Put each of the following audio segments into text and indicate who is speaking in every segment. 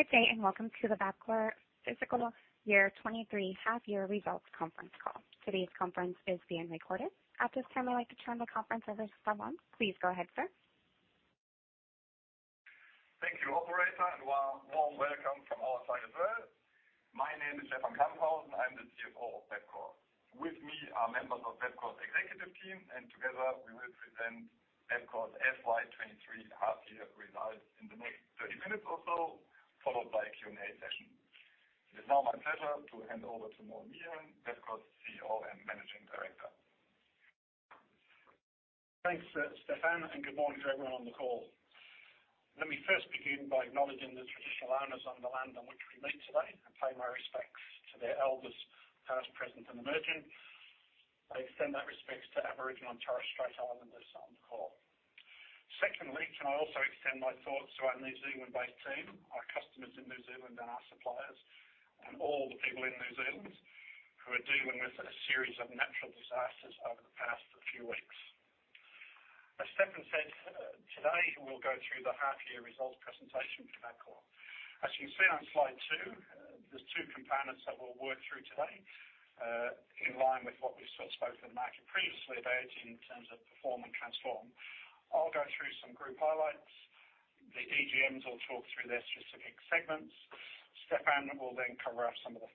Speaker 1: Good day, and welcome to the Bapcor Fiscal Year 23 Half Year Results Conference Call. Today's conference is being recorded. At this time, I'd like to turn the conference over to Simon. Please go ahead, sir.
Speaker 2: Thank you, operator, and warm welcome from our side as well. My name is Stefan Camphausen. I'm the CFO of Bapcor. With me are members of Bapcor's executive team, and together we will present Bapcor's FY23 half year results in the next 30 minutes or so, followed by a Q&A session. It is now my pleasure to hand over to Noel Meehan, Bapcor's CEO and Managing Director.
Speaker 3: Thanks, Stefan, good morning to everyone on the call. Let me first begin by acknowledging the traditional owners of the land on which we meet today, and pay my respects to their elders, past, present, and emerging. I extend that respect to Aboriginal and Torres Strait Islanders on the call. Secondly, can I also extend my thoughts to our New Zealand-based team, our customers in New Zealand, and our suppliers, and all the people in New Zealand who are dealing with a series of natural disasters over the past few weeks. As Stefan said, today we'll go through the half year results presentation for Bapcor. As you can see on slide two, there's two components that we'll work through today, in line with what we've sort of spoken to the market previously about in terms of perform and transform. I'll go through some group highlights. The EGMs will talk through their specific segments. Stefan will cover off some of the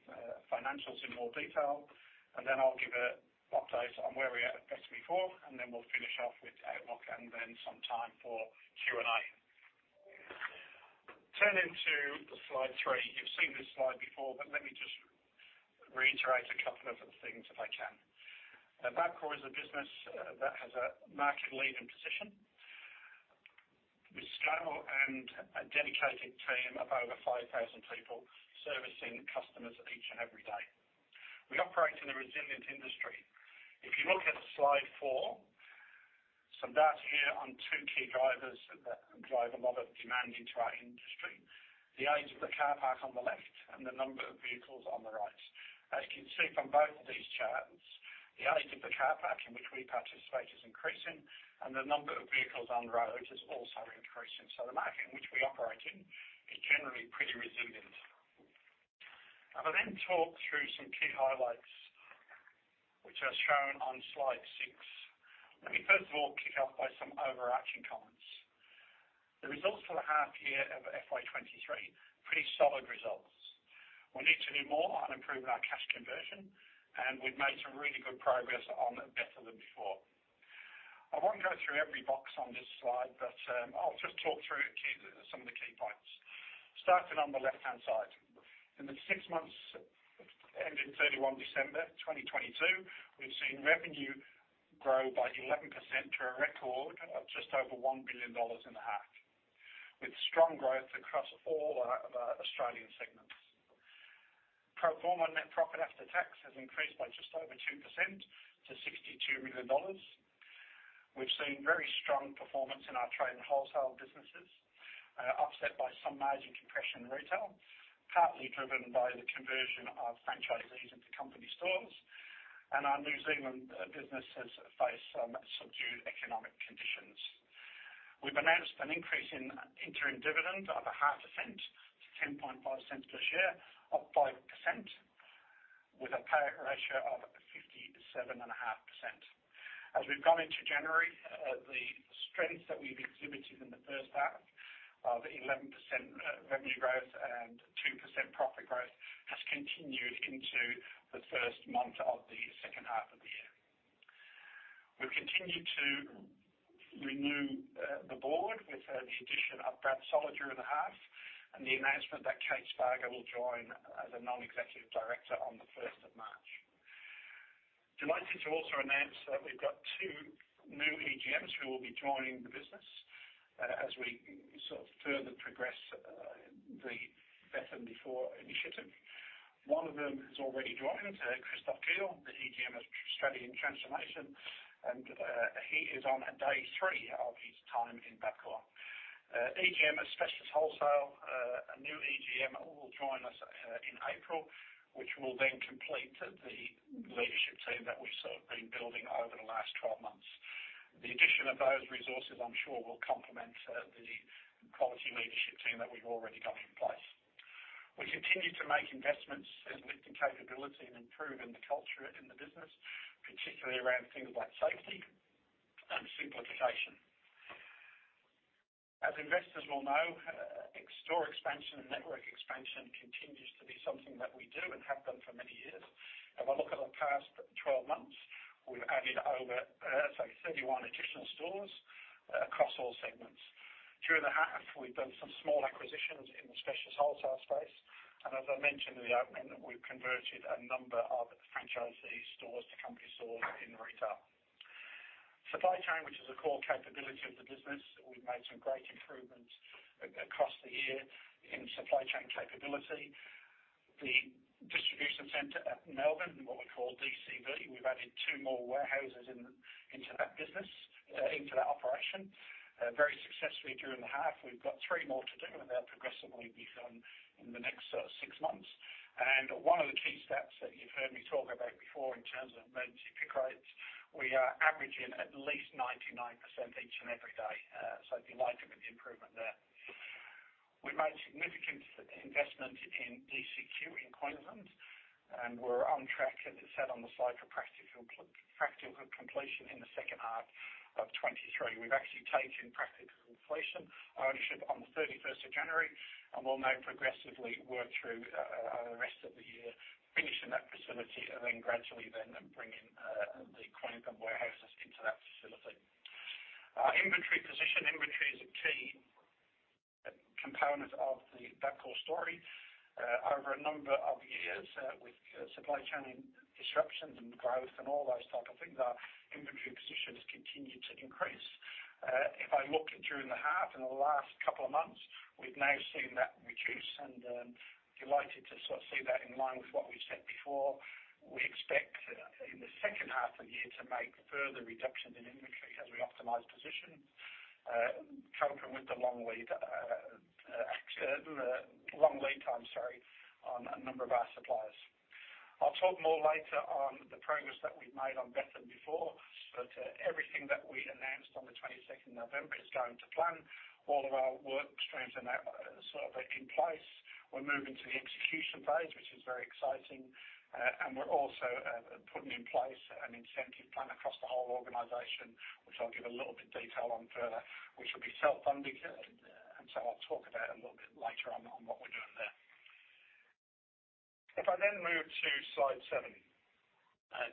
Speaker 3: financials in more detail. I'll give an update on where we are at Better Than Before, and then we'll finish off with outlook and then some time for Q&A. Turning to slide three. You've seen this slide before, let me just reiterate a couple of the things if I can. Now, Bapcor is a business that has a market-leading position. With scale and a dedicated team of over 5,000 people servicing customers each and every day. We operate in a resilient industry. If you look at slide four, some data here on two key drivers that drive a lot of demand into our industry, the age of the car park on the left and the number of vehicles on the right. As you can see from both of these charts, the age of the car park in which we participate is increasing, and the number of vehicles on the road is also increasing. The market in which we operate in is generally pretty resilient. I will then talk through some key highlights which are shown on slide 6. Let me first of all kick off by some overarching comments. The results for the half year of FY23, pretty solid results. We need to do more on improving our cash conversion, and we've made some really good progress on Better Than Before. I won't go through every box on this slide, but I'll just talk through some of the key points. Starting on the left-hand side. In the 6 months ending 31 December 2022, we've seen revenue grow by 11% to a record of just over 1 billion dollars in the half, with strong growth across all our Australian segments. Pro forma net profit after tax has increased by just over 2% to 62 million dollars. We've seen very strong performance in our trade and wholesale businesses, offset by some margin compression in retail, partly driven by the conversion of franchisees into company stores. Our New Zealand businesses face some subdued economic conditions. We've announced an increase in interim dividend of a half a cent to 0.105 per share, up 5%, with a payout ratio of 57.5%. We've gone into January, the strength that we've exhibited in the first half of 11% revenue growth and 2% profit growth has continued into the first month of the second half of the year. We've continued to renew the board with the addition of Brad Soller in the half, and the announcement that Kate Spargo will join as a Non-Executive Director on the 1st of March. Delighted to also announce that we've got two new EGMs who will be joining the business as we sort of further progress the Better than Before initiative. One of them has already joined, Christof Geyl, the EGM of Strategy and Transformation, and he is on day three of his time in Bapcor. EGM of Specialist Wholesale, a new EGM will join us in April, which will then complete the leadership team that we've sort of been building over the last 12 months. The addition of those resources, I'm sure, will complement the quality leadership team that we've already got in place. We continue to make investments in lifting capability and improving the culture in the business, particularly around things like safety and simplification. As investors will know, store expansion and network expansion continues to be something that we do and have done for many years. If I look at the past 12 months, we've added over, sorry, 31 additional stores across all segments. During the half, we've done some small acquisitions in the Specialist Wholesale space, and as I mentioned in the opening, we've converted a number of franchisee stores to company stores in Retail. Supply chain, which is a core capability of the business, we've made some great improvements across the year in supply chain capability. The distribution center at Melbourne, what we call DCV, we've added 2 more warehouses in, into that business, into that operation, very successfully during the half. We've got 3 more to do, they'll progressively be done in the next 6 months. One of the key steps that you've heard me talk about before in terms of emergency pick rates, we are averaging at least 99% each and every day. Delighted with the improvement there. We made significant investment in DCQ in Queensland, we're on track, as it said on the slide, for practical completion in the second half of 2023. We've actually taken practical completion ownership on the 31st of January, and we'll now progressively work through the rest of the year finishing that facility and then gradually then bringing the Queensland warehouses into that facility. Our inventory position. Inventory is a key component of the Bapcor story. Over a number of years with supply chain disruptions and growth and all those type of things, our inventory position has continued to increase. If I look during the half and the last couple of months, we've now seen that reduce and delighted to sort of see that in line with what we've said before. We expect in the second half of the year to make further reductions in inventory as we optimize position, coping with the long lead long lead time, sorry, on a number of our suppliers. I'll talk more later on the progress that we've made on Better Than Before. Everything that we announced on the 22nd November is going to plan. All of our work streams are now sort of in place. We're moving to the execution phase, which is very exciting. We're also putting in place an incentive plan across the whole organization, which I'll give a little bit detail on further, which will be self-funded. I'll talk about a little bit later on what we're doing there. Move to slide seven.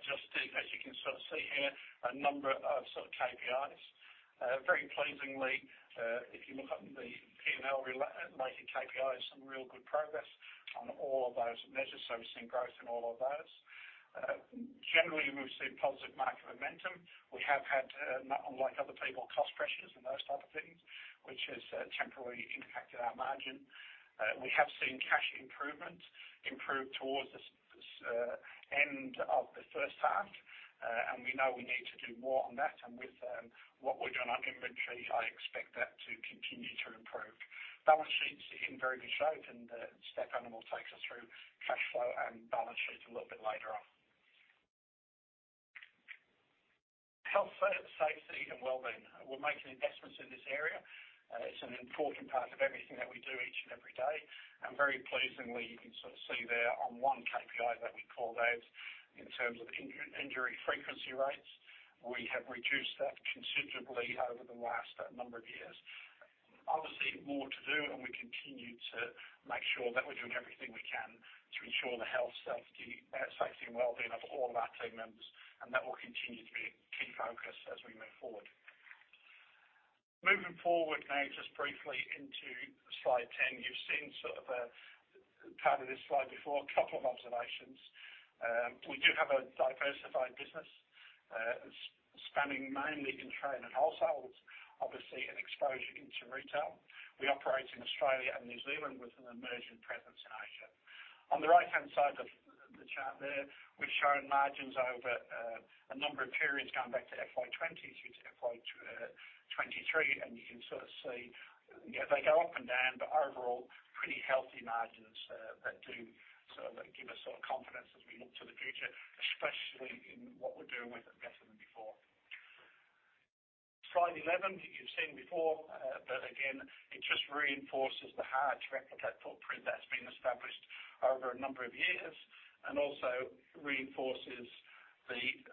Speaker 3: Just as you can sort of see here, a number of sort of KPIs. Very pleasingly, if you look at the P&L related KPIs, some real good progress on all of those measures. We're seeing growth in all of those. Generally, we've seen positive market momentum. We have had, unlike other people, cost pressures and those type of things, which has temporarily impacted our margin. We have seen cash conversion improve towards the end of the first half. We know we need to do more on that. With what we're doing on inventory, I expect that to continue to improve. Balance sheet's in very good shape, and Stefan Camphausen takes us through cash flow and balance sheet a little bit later on. Health, safety, and wellbeing. We're making investments in this area. It's an important part of everything that we do each and every day. Very pleasingly, you can sort of see there on one KPI that we call out in terms of injury frequency rates. We have reduced that considerably over the last number of years. Obviously, more to do, and we continue to make sure that we're doing everything we can to ensure the health, safety, and wellbeing of all of our team members, and that will continue to be a key focus as we move forward. Moving forward now, just briefly into slide 10. You've seen sort of a part of this slide before. A couple of observations. We do have a diversified business, spanning mainly in trade and wholesale, obviously an exposure into retail. We operate in Australia and New Zealand with an emerging presence in Asia. On the right-hand side of the chart there, we've shown margins over a number of periods going back to FY20 through to FY23. You can sort of see, yeah, they go up and down, but overall pretty healthy margins, that do sort of give us sort of confidence as we look to the future, especially in what we're doing with Better than Before. Slide 11, you've seen before, again, it just reinforces the hard-to-replicate footprint that's been established over a number of years and also reinforces the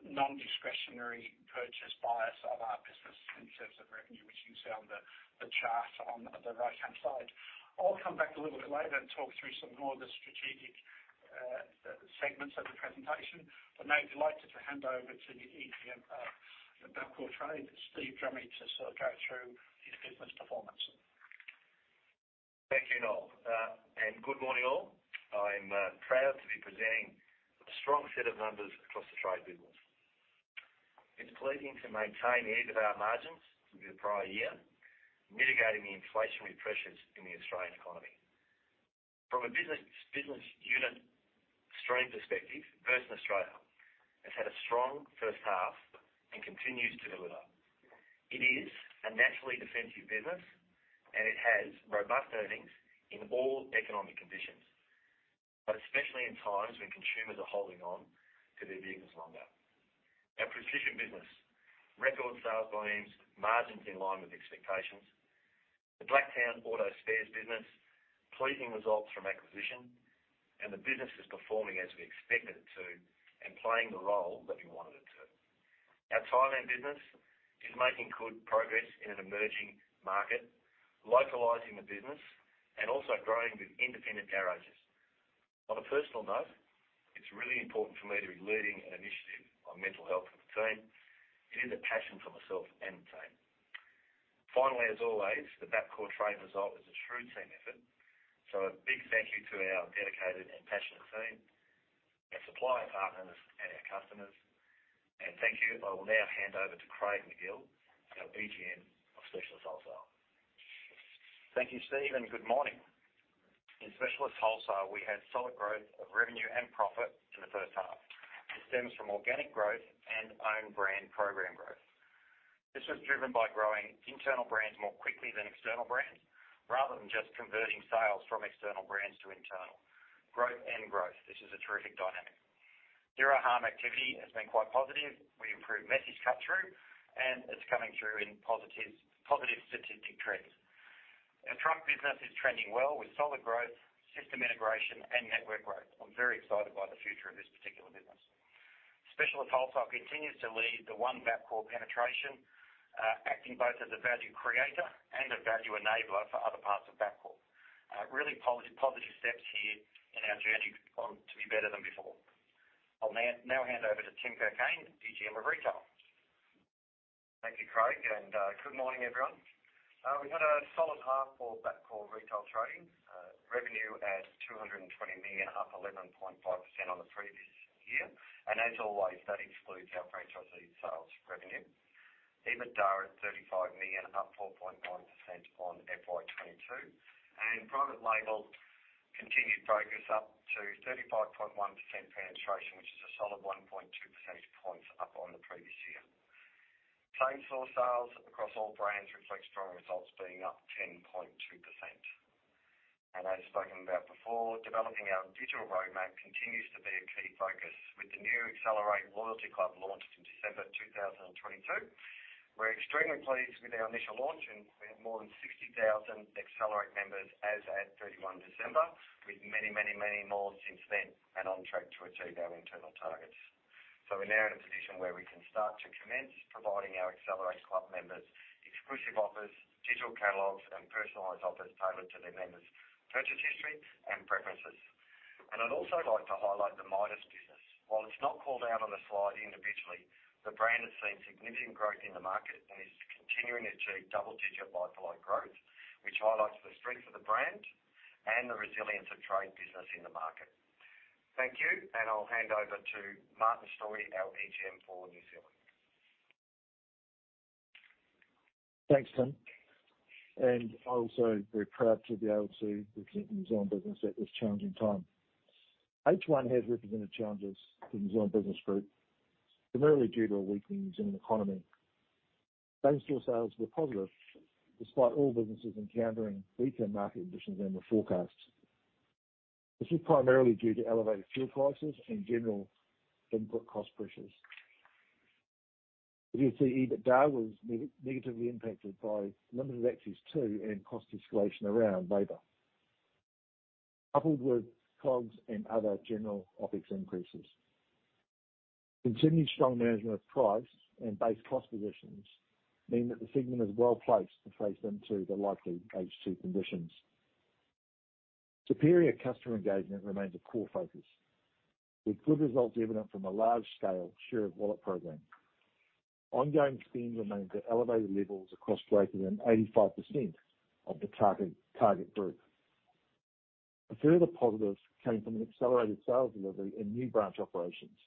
Speaker 3: non-discretionary purchase bias of our business in terms of revenue, which you see on the chart on the right-hand side. I'll come back a little bit later and talk through some more of the strategic segments of the presentation. Now I'd be delighted to hand over to the EGM, Bapcor Trade, Steve Drummy, to sort of go through his business performance.
Speaker 4: Thank you, Noel. Good morning, all. I'm proud to be presenting a strong set of numbers across the trade business. It's pleasing to maintain the edge of our margins from the prior year, mitigating the inflationary pressures in the Australian economy. From a business unit stream perspective, Burson Australia has had a strong first half and continues to deliver. It is a naturally defensive business, and it has robust earnings in all economic conditions, but especially in times when consumers are holding on to their vehicles longer. Our Precision business, record sales volumes, margins in line with expectations. The Blacktown Auto Spares business, pleasing results from acquisition and the business is performing as we expected it to and playing the role that we wanted it to. Our Thailand business is making good progress in an emerging market, localizing the business and also growing with independent garages. On a personal note, it's really important for me to be leading an initiative on mental health for the team. It is a passion for myself and the team. As always, the Bapcor Trade result is a true team effort. A big thank you to our dedicated and passionate team, our supplier partners, and our customers. Thank you. I will now hand over to Craig Magill, our EGM of Specialist Wholesale.
Speaker 5: Thank you, Steve. Good morning. In Specialist Wholesale, we had solid growth of revenue and profit in the first half. It stems from organic growth and own brand program growth. This was driven by growing internal brands more quickly than external brands, rather than just converting sales from external brands to internal growth. This is a terrific dynamic. Zero harm activity has been quite positive. We improved message cut-through, and it's coming through in positive statistic trends. Our truck business is trending well with solid growth, system integration and network growth. I'm very excited by the future of this particular business. Specialist Wholesale continues to lead the One Bapcor penetration, acting both as a value creator and a value enabler for other parts of Bapcor. Really positive steps here in our journey on to be Better than Before. I'll now hand over to Tim Cockayne, DGM of Retail.
Speaker 6: Thank you, Craig, good morning, everyone. We've had a solid half for Bapcor Retail trading. Revenue at 220 million, up 11.5% on the previous year. As always, that includes our franchisee sales revenue. EBITDAR at 35 million, up 4.9% on FY22. Private label continued focus up to 35.1% penetration, which is a solid 1.2 percentage points up on the previous year. Same-store sales across all brands reflects strong results being up 10.2%. As spoken about before, developing our digital roadmap continues to be a key focus with the new Accelerate Loyalty Club launched in December 2022. We're extremely pleased with our initial launch. We have more than 60,000 Accelerate members as at 31 December, with many more since then and on track to achieve our internal targets. We're now in a position where we can start to commence providing our Accelerate club members exclusive offers, digital catalogs and personalized offers tailored to their members' purchase history and preferences. I'd also like to highlight the Midas business. While it's not called out on the slide individually, the brand has seen significant growth in the market and is continuing to achieve double-digit like-for-like growth, which highlights the strength of the brand and the resilience of trade business in the market. Thank you. I'll hand over to Martin Storey, our EGM for New Zealand.
Speaker 7: Thanks, Tim, and also very proud to be able to represent the New Zealand business at this challenging time. first half has represented challenges to the New Zealand business group, primarily due to a weakening New Zealand economy. Same-store sales were positive despite all businesses encountering weaker market conditions than were forecast. This is primarily due to elevated fuel prices and general input cost pressures. You'll see EBITDAR was negatively impacted by limited access to and cost escalation around labor, coupled with COGS and other general OpEx increases. Continued strong management of price and base cost positions mean that the segment is well-placed to face into the likely second half conditions. Superior customer engagement remains a core focus, with good results evident from a large-scale share of wallet program. Ongoing spend remains at elevated levels across greater than 85% of the target group. A further positive came from an accelerated sales delivery in new branch operations,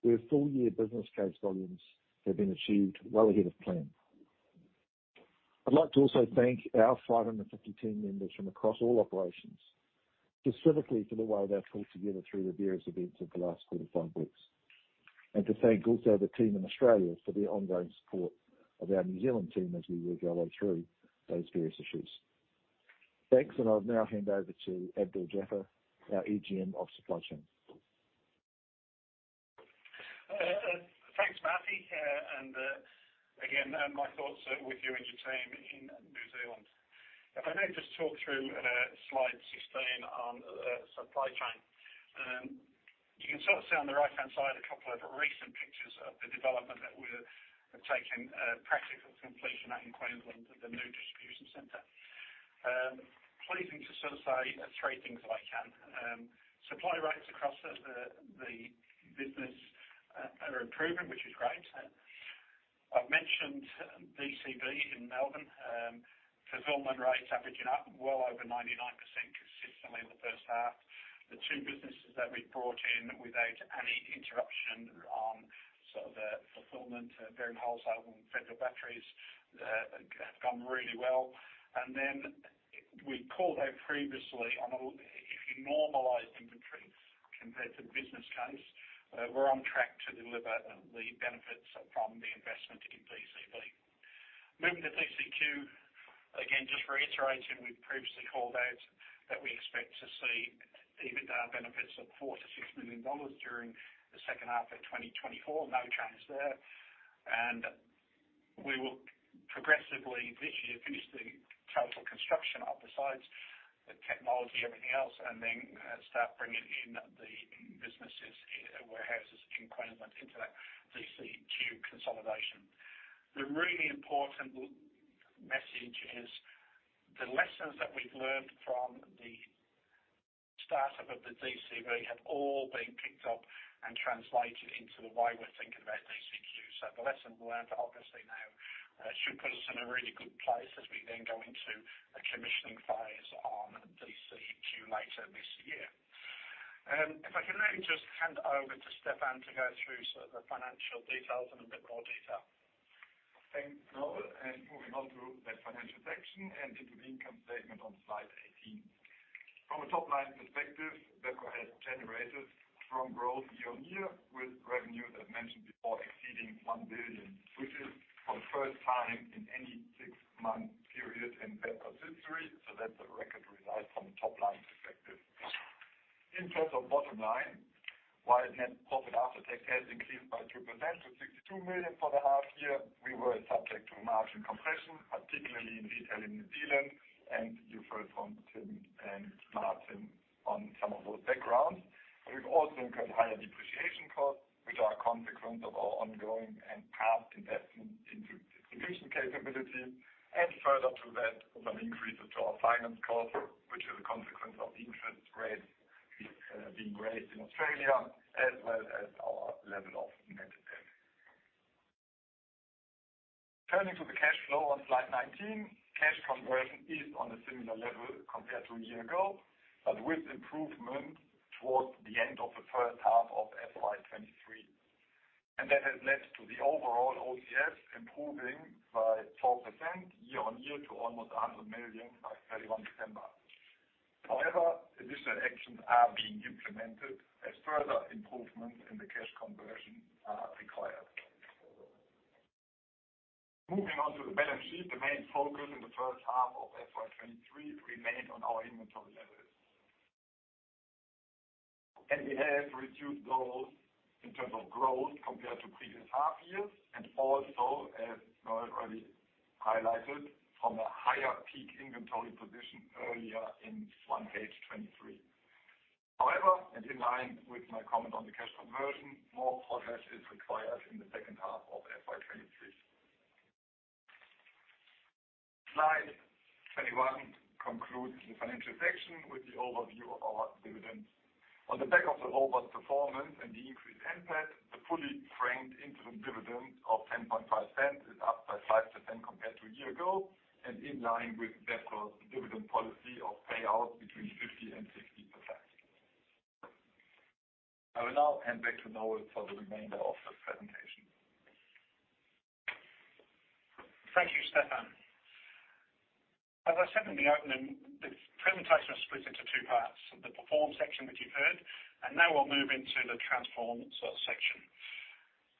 Speaker 7: where full-year business case volumes have been achieved well ahead of plan. I'd like to also thank our 550 team members from across all operations, specifically for the way they've pulled together through the various events of the last 25 weeks. To thank also the team in Australia for their ongoing support of our New Zealand team as we work our way through those various issues. Thanks, and I'll now hand over to Noel Meehan, our EGM of Supply Chain.
Speaker 3: Thanks, Marty. And again, my thoughts are with you and your team in New Zealand. If I may just talk through slide 16 on supply chain. You can sort of see on the right-hand side a couple of recent pictures of the development that we're taking practical completion out in Queensland at the new distribution center. Pleasing to sort of say 3 things if I can. Supply rates across the business are improving, which is great. I've mentioned DCV in Melbourne. Fulfillment rates averaging at well over 99% consistently in the first half. The 2 businesses that we've brought in without any interruption on sort of the fulfillment, Bearing Wholesalers and Federal Batteries, have gone really well. Then we called out previously if you normalize inventory compared to the business case, we're on track to deliver the benefits from the investment in DCV. Moving to DCQ, again, just reiterating, we've previously called out that we expect to see EBITDAR benefits of 4 million-6 million dollars during the second half of 2024. No change there. We will progressively this year finish the total construction of the sites, the technology, everything else, then start bringing in the businesses in warehouses in Queensland into that DCQ consolidation. The really important message is the lessons that we've learned from the startup of the DCV have all been picked up and translated into the way we're thinking about DCQ. The lesson learned obviously now, should put us in a really good place as we then go into a commissioning phase on DCQ later this year. If I can now just hand over to Stefan to go through sort of the financial details in a bit more detail.
Speaker 2: Thanks, Noel, and moving on to the financial section and to the income statement on slide 18. From a top-line perspective, Bapcor has generated strong growth year-on-year with revenue, as mentioned before, exceeding 1 billion, which is for the first time in any six-month period in Bapcor's history. That's a record result from a top-line perspective. In terms of bottom line, while net profit after tax has increased by 2% to 62 million for the half year, we were subject to margin compression, particularly in retail in New Zealand. You heard from Tim and Martin on some of those backgrounds. We've also incurred higher depreciation costs, which are a consequence of our ongoing and past investment into distribution capability, and further to that, some increases to our finance costs, which is a consequence of interest rates being raised in Australia as well as our level of net debt. Turning to the cash flow on slide 19. Cash conversion is on a similar level compared to one year ago, with improvement towards the end of the first half of FY23. That has led to the overall OCF improving by 4% year-on-year to almost 100 million by 31 December. However, additional actions are being implemented as further improvements in the cash conversion are required. Moving on to the balance sheet, the main focus in the first half of FY23 remained on our inventory levels. We have reduced those in terms of growth compared to previous half years and also, as Noel already highlighted, from a higher peak inventory position earlier in the first half of '23. However, and in line with my comment on the cash conversion, more progress is required in the second half of FY23. Slide 21 concludes the financial section with the overview of our dividends. On the back of the robust performance and the increased NPAT, the fully franked interim dividend of 0.105 is up by 5% compared to a year ago and in line with Bapcor's dividend policy of payout between 50% and 60%. I will now hand back to Noel for the remainder of the presentation.
Speaker 3: Thank you, Stefan. As I said in the opening, the presentation is split into two parts. The perform section, which you've heard, and now we'll move into the transform section.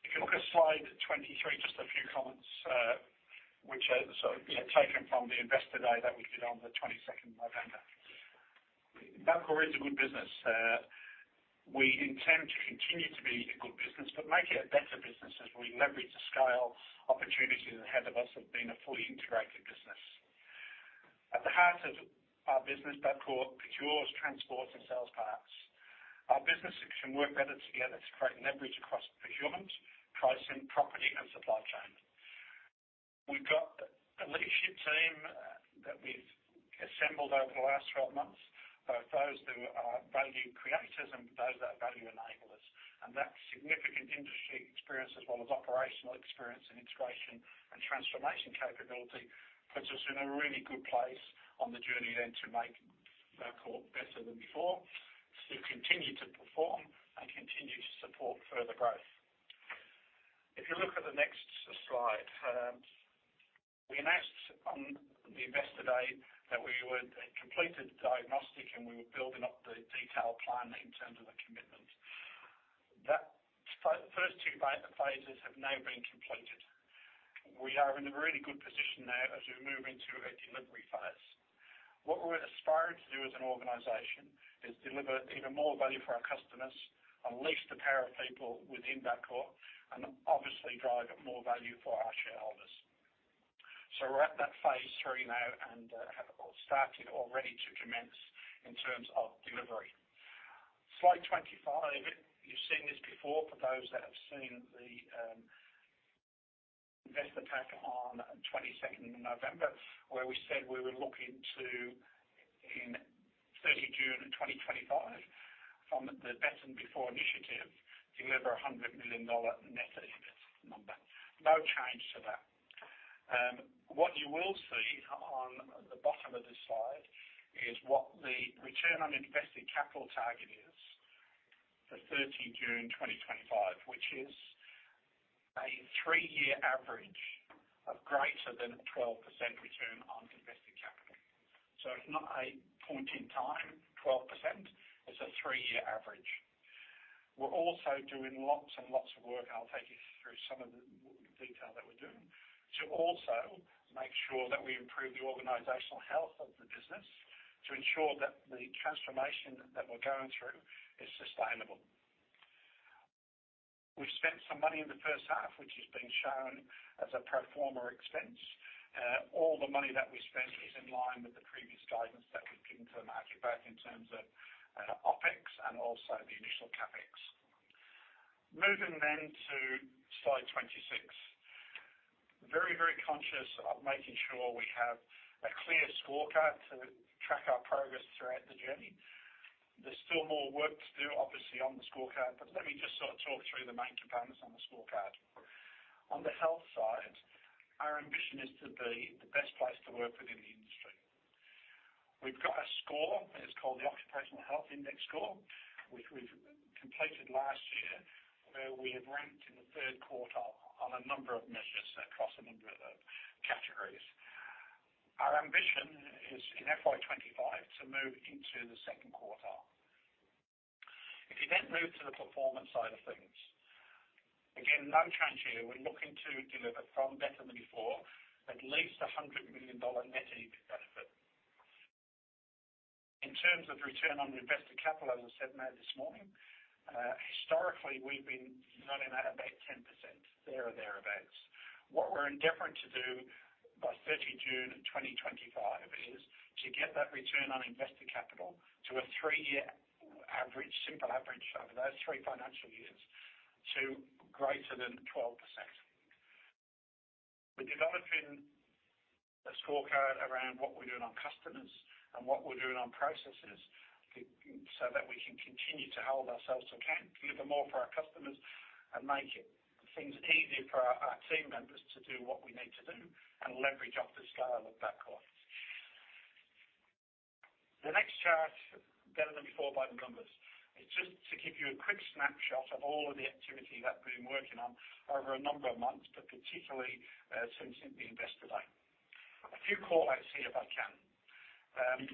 Speaker 3: If you look at slide 23, just a few comments, which are so taken from the Investor Day that we did on the 22nd of November. Bapcor is a good business. We intend to continue to be a good business, but make it a better business as we leverage the scale opportunities ahead of us of being a fully integrated business. At the heart of our business, Bapcor procures transports and sales parts. Our businesses can work better together to create leverage across procurement, pricing, property, and supply chain. We've got a leadership team that we've assembled over the last 12 months, both those who are value creators and those that are value enablers. That significant industry experience as well as operational experience and integration and transformation capability puts us in a really good place on the journey then to make Bapcor Better than Before, to continue to perform and continue to support further growth. If you look at the next slide, we announced on the Investor Day that we had completed diagnostic and we were building up the detailed planning in terms of the commitment. That first 2 phases have now been completed. We are in a really good position now as we move into a delivery phase. What we're aspiring to do as an organization is deliver even more value for our customers, unleash the power of people within Bapcor, and obviously drive more value for our shareholders. We're at that phase III now and have started already to commence in terms of delivery. Slide 25. You've seen this before for those that have seen the investor pack on 22nd November, where we said we were looking to, in 30 June of 2025 from the Better Than Before initiative, deliver an 100 million dollar net EBITDA number. No change to that. What you will see on the bottom of this slide is what the return on invested capital target is for 30 June 2025, which is a three-year average of greater than a 12% return on invested capital. It's not a point in time 12%, it's a three-year average. We're also doing lots and lots of work. I'll take you through some of the detail that we're doing to also make sure that we improve the organizational health of the business to ensure that the transformation that we're going through is sustainable. We've spent some money in the first half, which has been shown as a pro forma expense. All the money that we spent is in line with the previous guidance that we've given to the market, both in terms of OpEx and also the initial CapEx. Moving to slide 26. Very, very conscious of making sure we have a clear scorecard to track our progress throughout the journey. There's still more work to do, obviously, on the scorecard, but let me just sort of talk through the main components on the scorecard. On the health side, our ambition is to be the best place to work within the industry. We've got a score. It's called the Occupational Health Index score, which we've completed last year, where we have ranked in the third quarter on a number of measures across a number of categories. Our ambition is in FY25 to move into the second quarter. If you move to the performance side of things, again, no change here. We're looking to deliver from Better Than Before at least 100 million dollar net EBIT benefit. In terms of return on invested capital, as I said, Matt, this morning, historically we've been not in that about 10%, there or thereabouts. What we're endeavoring to do by June 30, 2025 is to get that return on invested capital to a three-year average, simple average over those three financial years to greater than 12%. We're developing a scorecard around what we're doing on customers and what we're doing on processes that we can continue to hold ourselves to account, deliver more for our customers and make it things easier for our team members to do what we need to do and leverage off the scale of Bapcor. The next chart, Better Than Before by the numbers. It's just to give you a quick snapshot of all of the activity that we've been working on over a number of months, particularly since it being invested in. A few call-outs here, if I can.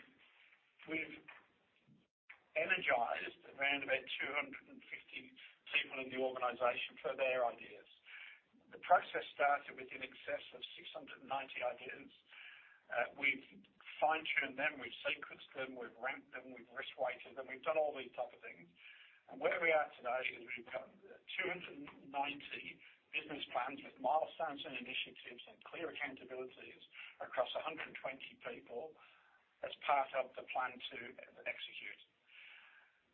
Speaker 3: We've energized around about 250 people in the organization for their ideas. The process started with in excess of 690 ideas. We've fine-tuned them, we've sequenced them, we've ranked them, we've risk weighted them. We've done all these type of things. Where we are today is we've got 290 business plans with milestones and initiatives and clear accountabilities across 120 people as part of the plan to execute.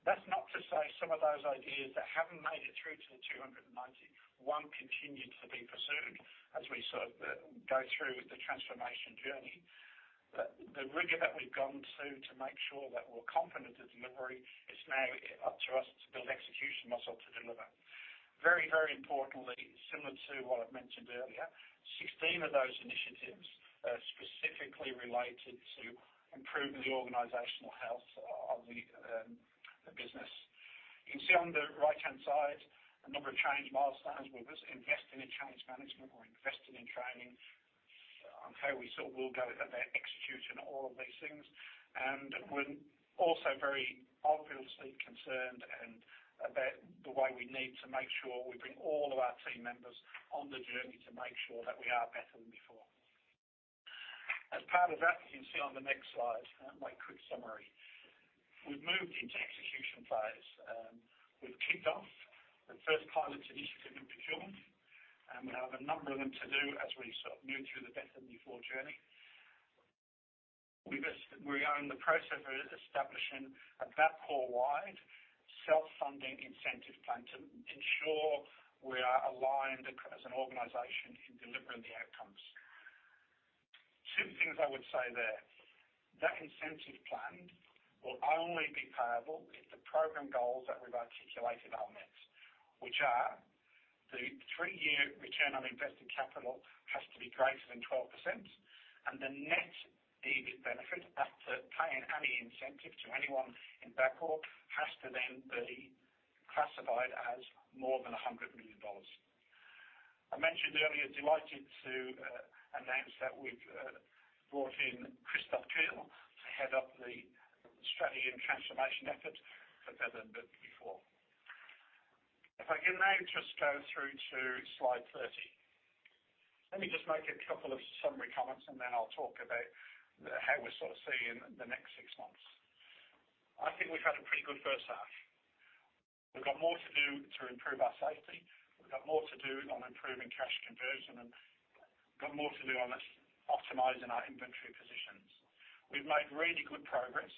Speaker 3: That's not to say some of those ideas that haven't made it through to the 291 continue to be pursued as we sort of go through the transformation journey. The rigor that we've gone to to make sure that we're confident of delivery, it's now up to us to build execution muscle to deliver. Very, very importantly, similar to what I've mentioned earlier, 16 of those initiatives are specifically related to improving the organizational health of the business. You can see on the right-hand side a number of change milestones where we're investing in change management. We're investing in training on how we sort of will go about executing all of these things. We're also very obviously concerned and about the way we need to make sure we bring all of our team members on the journey to make sure that we are Better Than Before. As part of that, you can see on the next slide, my quick summary. We've moved into execution phase. We've kicked off the first pilots initiative in procurement, and we have a number of them to do as we sort of move through the Better Than Before journey. We're on the process of establishing a Bapcor wide self-funding incentive plan to ensure we are aligned as an organization in delivering the outcomes. Two things I would say there. That incentive plan will only be payable if the program goals that we've articulated are met, which are the three-year return on invested capital has to be greater than 12%, and the net EBIT benefit after paying any incentive to anyone in Bapcor has to then be classified as more than 100 million dollars. I mentioned earlier, delighted to announce that we've brought in Christof Geyl to head up the strategy and transformation effort for Better Than Before. If I can now just go through to slide 30. Let me just make a couple of summary comments and then I'll talk about how we're sort of seeing the next six months. I think we've had a pretty good first half. We've got more to do to improve our safety. We've got more to do on improving cash conversion, and we've got more to do on us optimizing our inventory positions. We've made really good progress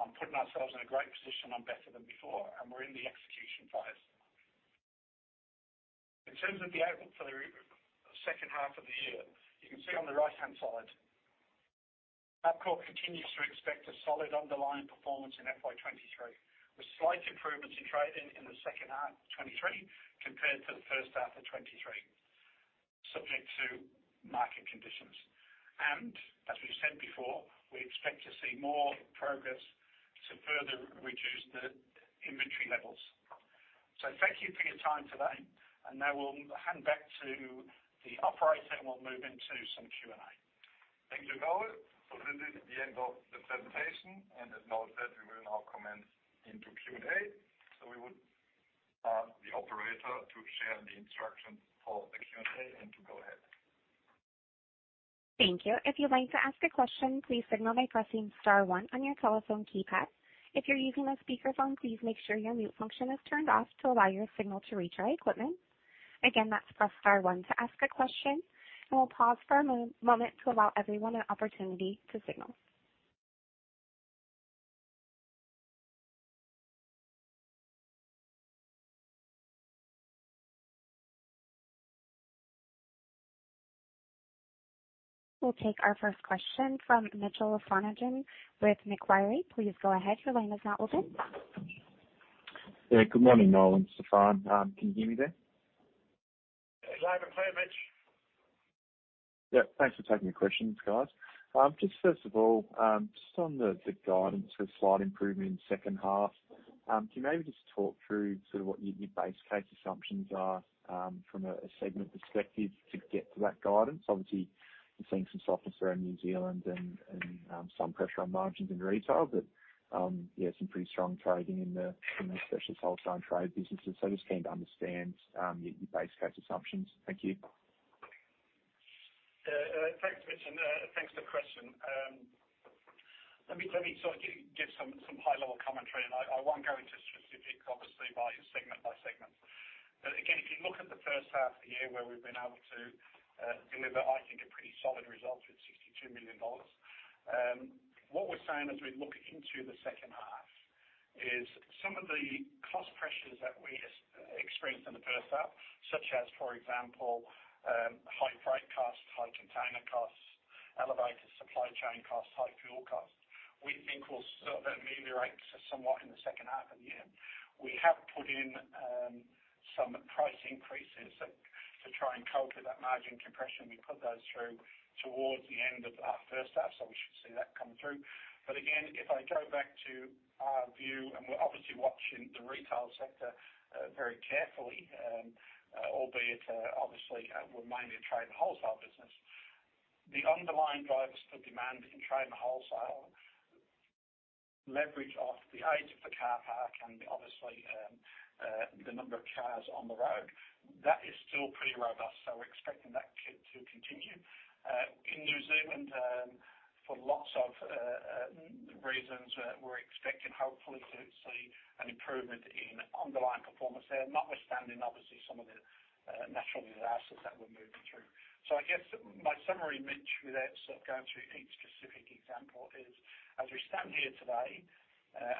Speaker 3: on putting ourselves in a great position on Better Than Before, and we're in the execution phase. In terms of the outlook for the second half of the year, you can see on the right-hand side, Bapcor continues to expect a solid underlying performance in FY23, with slight improvements in trading in the second half of 23 compared to the first half of 23, subject to market conditions. As we've said before, we expect to see more progress to further reduce the inventory levels. Thank you for your time today, and now we'll hand back to the operator, and we'll move into some Q&A.
Speaker 2: Thank you, Noel. This is the end of the presentation. As noted, we will now commence into Q&A. We would ask the operator to share the instructions for the Q&A and to go ahead.
Speaker 1: Thank you. If you'd like to ask a question, please signal by pressing star one on your telephone keypad. If you're using a speakerphone, please make sure your mute function is turned off to allow your signal to reach our equipment. Again, that's press star one to ask a question, and we'll pause for a moment to allow everyone an opportunity to signal. We'll take our first question from Mitchell Sonogan with Macquarie. Please go ahead. Your line is now open.
Speaker 8: Yeah, good morning, Noel and Stefan. Can you hear me there?
Speaker 3: Loud and clear, Mitch.
Speaker 8: Yeah, thanks for taking the questions, guys. Just first of all, just on the guidance for slight improvement in second half. Can you maybe just talk through sort of what your base case assumptions are, from a segment perspective to get to that guidance? Obviously, we're seeing some softness around New Zealand and, some pressure on margins in retail, but, yeah, some pretty strong trading in the, in the Specialist Wholesale and Trade businesses. Just keen to understand, your base case assumptions. Thank you.
Speaker 3: Thanks, Mitch, thanks for the question. Let me sort of give some high level commentary. I won't go into specifics, obviously by segment by segment. Again, if you look at the first half of the year where we've been able to deliver, I think, a pretty solid result with 62 million dollars. What we're saying as we look into the second half is some of the cost pressures that we experienced in the first half, such as, for example, high freight costs, high container costs, elevated supply chain costs, high fuel costs. We think will sort of ameliorate somewhat in the second half of the year. We have put in some price increases to try and cope with that margin compression. We put those through towards the end of our first half, so we should see that come through. Again, if I go back to our view and we're obviously watching the retail sector, very carefully, albeit, obviously, we're mainly a trade and wholesale business. The underlying drivers for demand in trade and wholesale leverage off the age of the car park and obviously, the number of cars on the road. That is still pretty robust. We're expecting that to continue. In New Zealand, for lots of reasons, we're expecting, hopefully to see an improvement in underlying performance there, notwithstanding, obviously, some of the natural disasters that we're moving through. I guess my summary, Mitch, without sort of going through each specific example is, as we stand here today,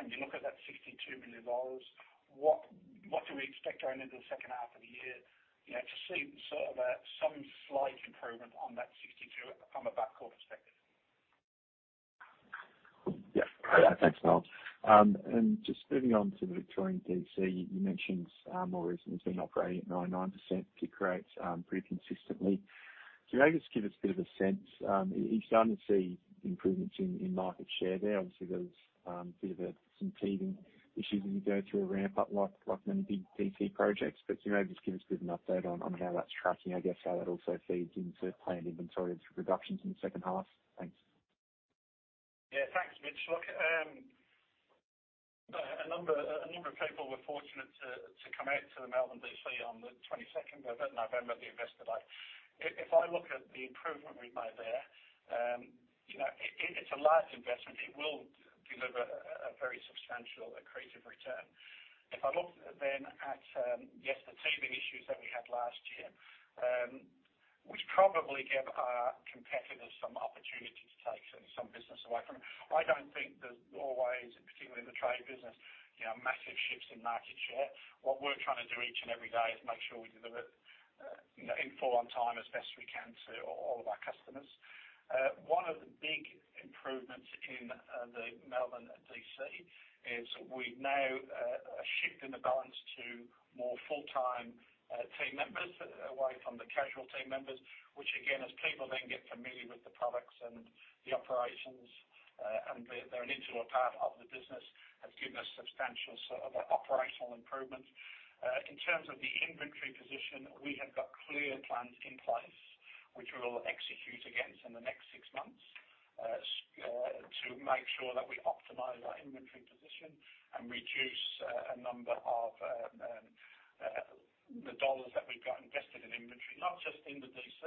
Speaker 3: and you look at that 62 million dollars, what do we expect going into the second half of the year? You know, to see sort of, some slight improvement on that 62 from a Bapcor perspective.
Speaker 8: Yeah. Thanks, Noel. Just moving on to the Victorian DC, you mentioned, more recently it's been operating at 99% to create, pretty consistently. Can you maybe just give us a bit of a sense, are you starting to see improvements in market share there? Obviously, there was some teething issues as you go through a ramp up like many big DC projects. Can maybe just give us a bit of an update on how that's tracking. I guess, how that also feeds into planned inventory reductions in the second half. Thanks.
Speaker 3: Yeah. Thanks, Mitch. Look, a number of people were fortunate to come out to the Melbourne DC on the 22nd of November, the investor day. If I look at the improvement we've made there, you know, it's a large investment. It will deliver a very substantial accretive return. If I look then at, yes, the teething issues that we had last year, which probably gave our competitors some opportunity to take some business away from it. I don't think there's always, particularly in the trade business, you know, massive shifts in market share. What we're trying to do each and every day is make sure we deliver in full on time as best we can to all of our customers. One of the big improvements in the Melbourne DC is we've now shifted the balance to more full-time team members away from the casual team members. Again, as people then get familiar with the products and the operations, and they're an integral part of the business, has given us substantial sort of operational improvement. In terms of the inventory position, we have got clear plans in place which we will execute against in the next six months to make sure that we optimize our inventory position and reduce a number of the dollars that we've got invested in inventory. Not just in the DC,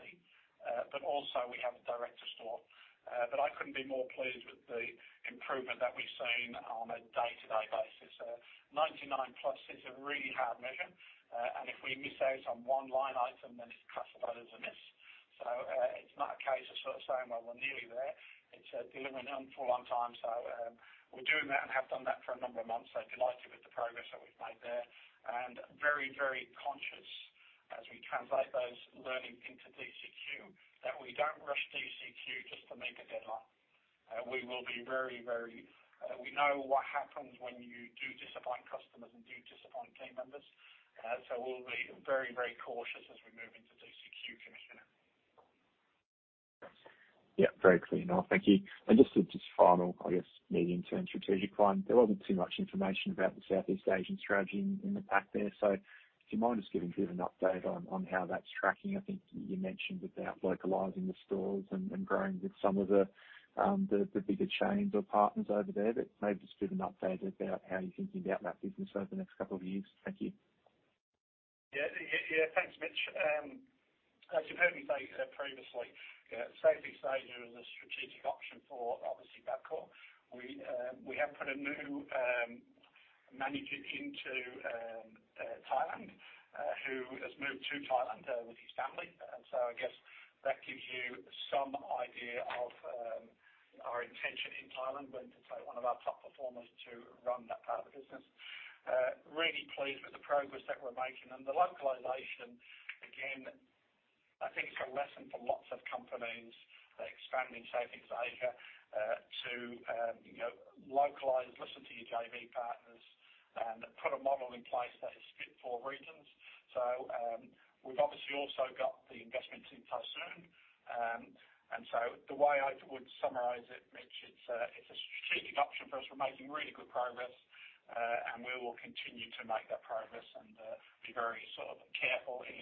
Speaker 3: but also we have a direct to store. I couldn't be more pleased with the improvement that we've seen on a day-to-day basis. 99 plus is a really hard measure, and if we miss out on 1 line item, then it's classified as a miss. It's not a case of sort of saying, "Well, we're nearly there." It's delivering on full, on time. We're doing that and have done that for a number of months. Delighted with the progress that we've made there. Very, very conscious as we translate those learnings into DCQ, that we don't rush DCQ just to make a deadline. We will be very, very, we know what happens when you do disappoint customers and do disappoint team members. We'll be very, very cautious as we move into DCQ, Mitch.
Speaker 8: Yeah, very clear, Noel. Thank you. Just a final, I guess, medium-term strategic one. There wasn't too much information about the Southeast Asian strategy in the pack there. Do you mind just giving a bit of an update on how that's tracking? I think you mentioned about localizing the stores and growing with some of the bigger chains or partners over there. Maybe just give an update about how you're thinking about that business over the next couple of years. Thank you.
Speaker 3: Yeah. Yeah, thanks, Mitch. As you've heard me say previously, Southeast Asia is a strategic option for obviously, Bapcor. We have put a new manager into Thailand who has moved to Thailand with his family. I guess that gives you some idea of our intention in Thailand, willing to take one of our top performers to run that part of the business. Really pleased with the progress that we're making. The localization, again, I think it's a lesson for lots of companies expanding Southeast Asia to, you know, localize, listen to your JV partners. A model in place that is fit for regions. We've obviously also got the investments in Punsung. The way I would summarize it, Mitch, it's a strategic option for us. We're making really good progress, and we will continue to make that progress and be very sort of careful in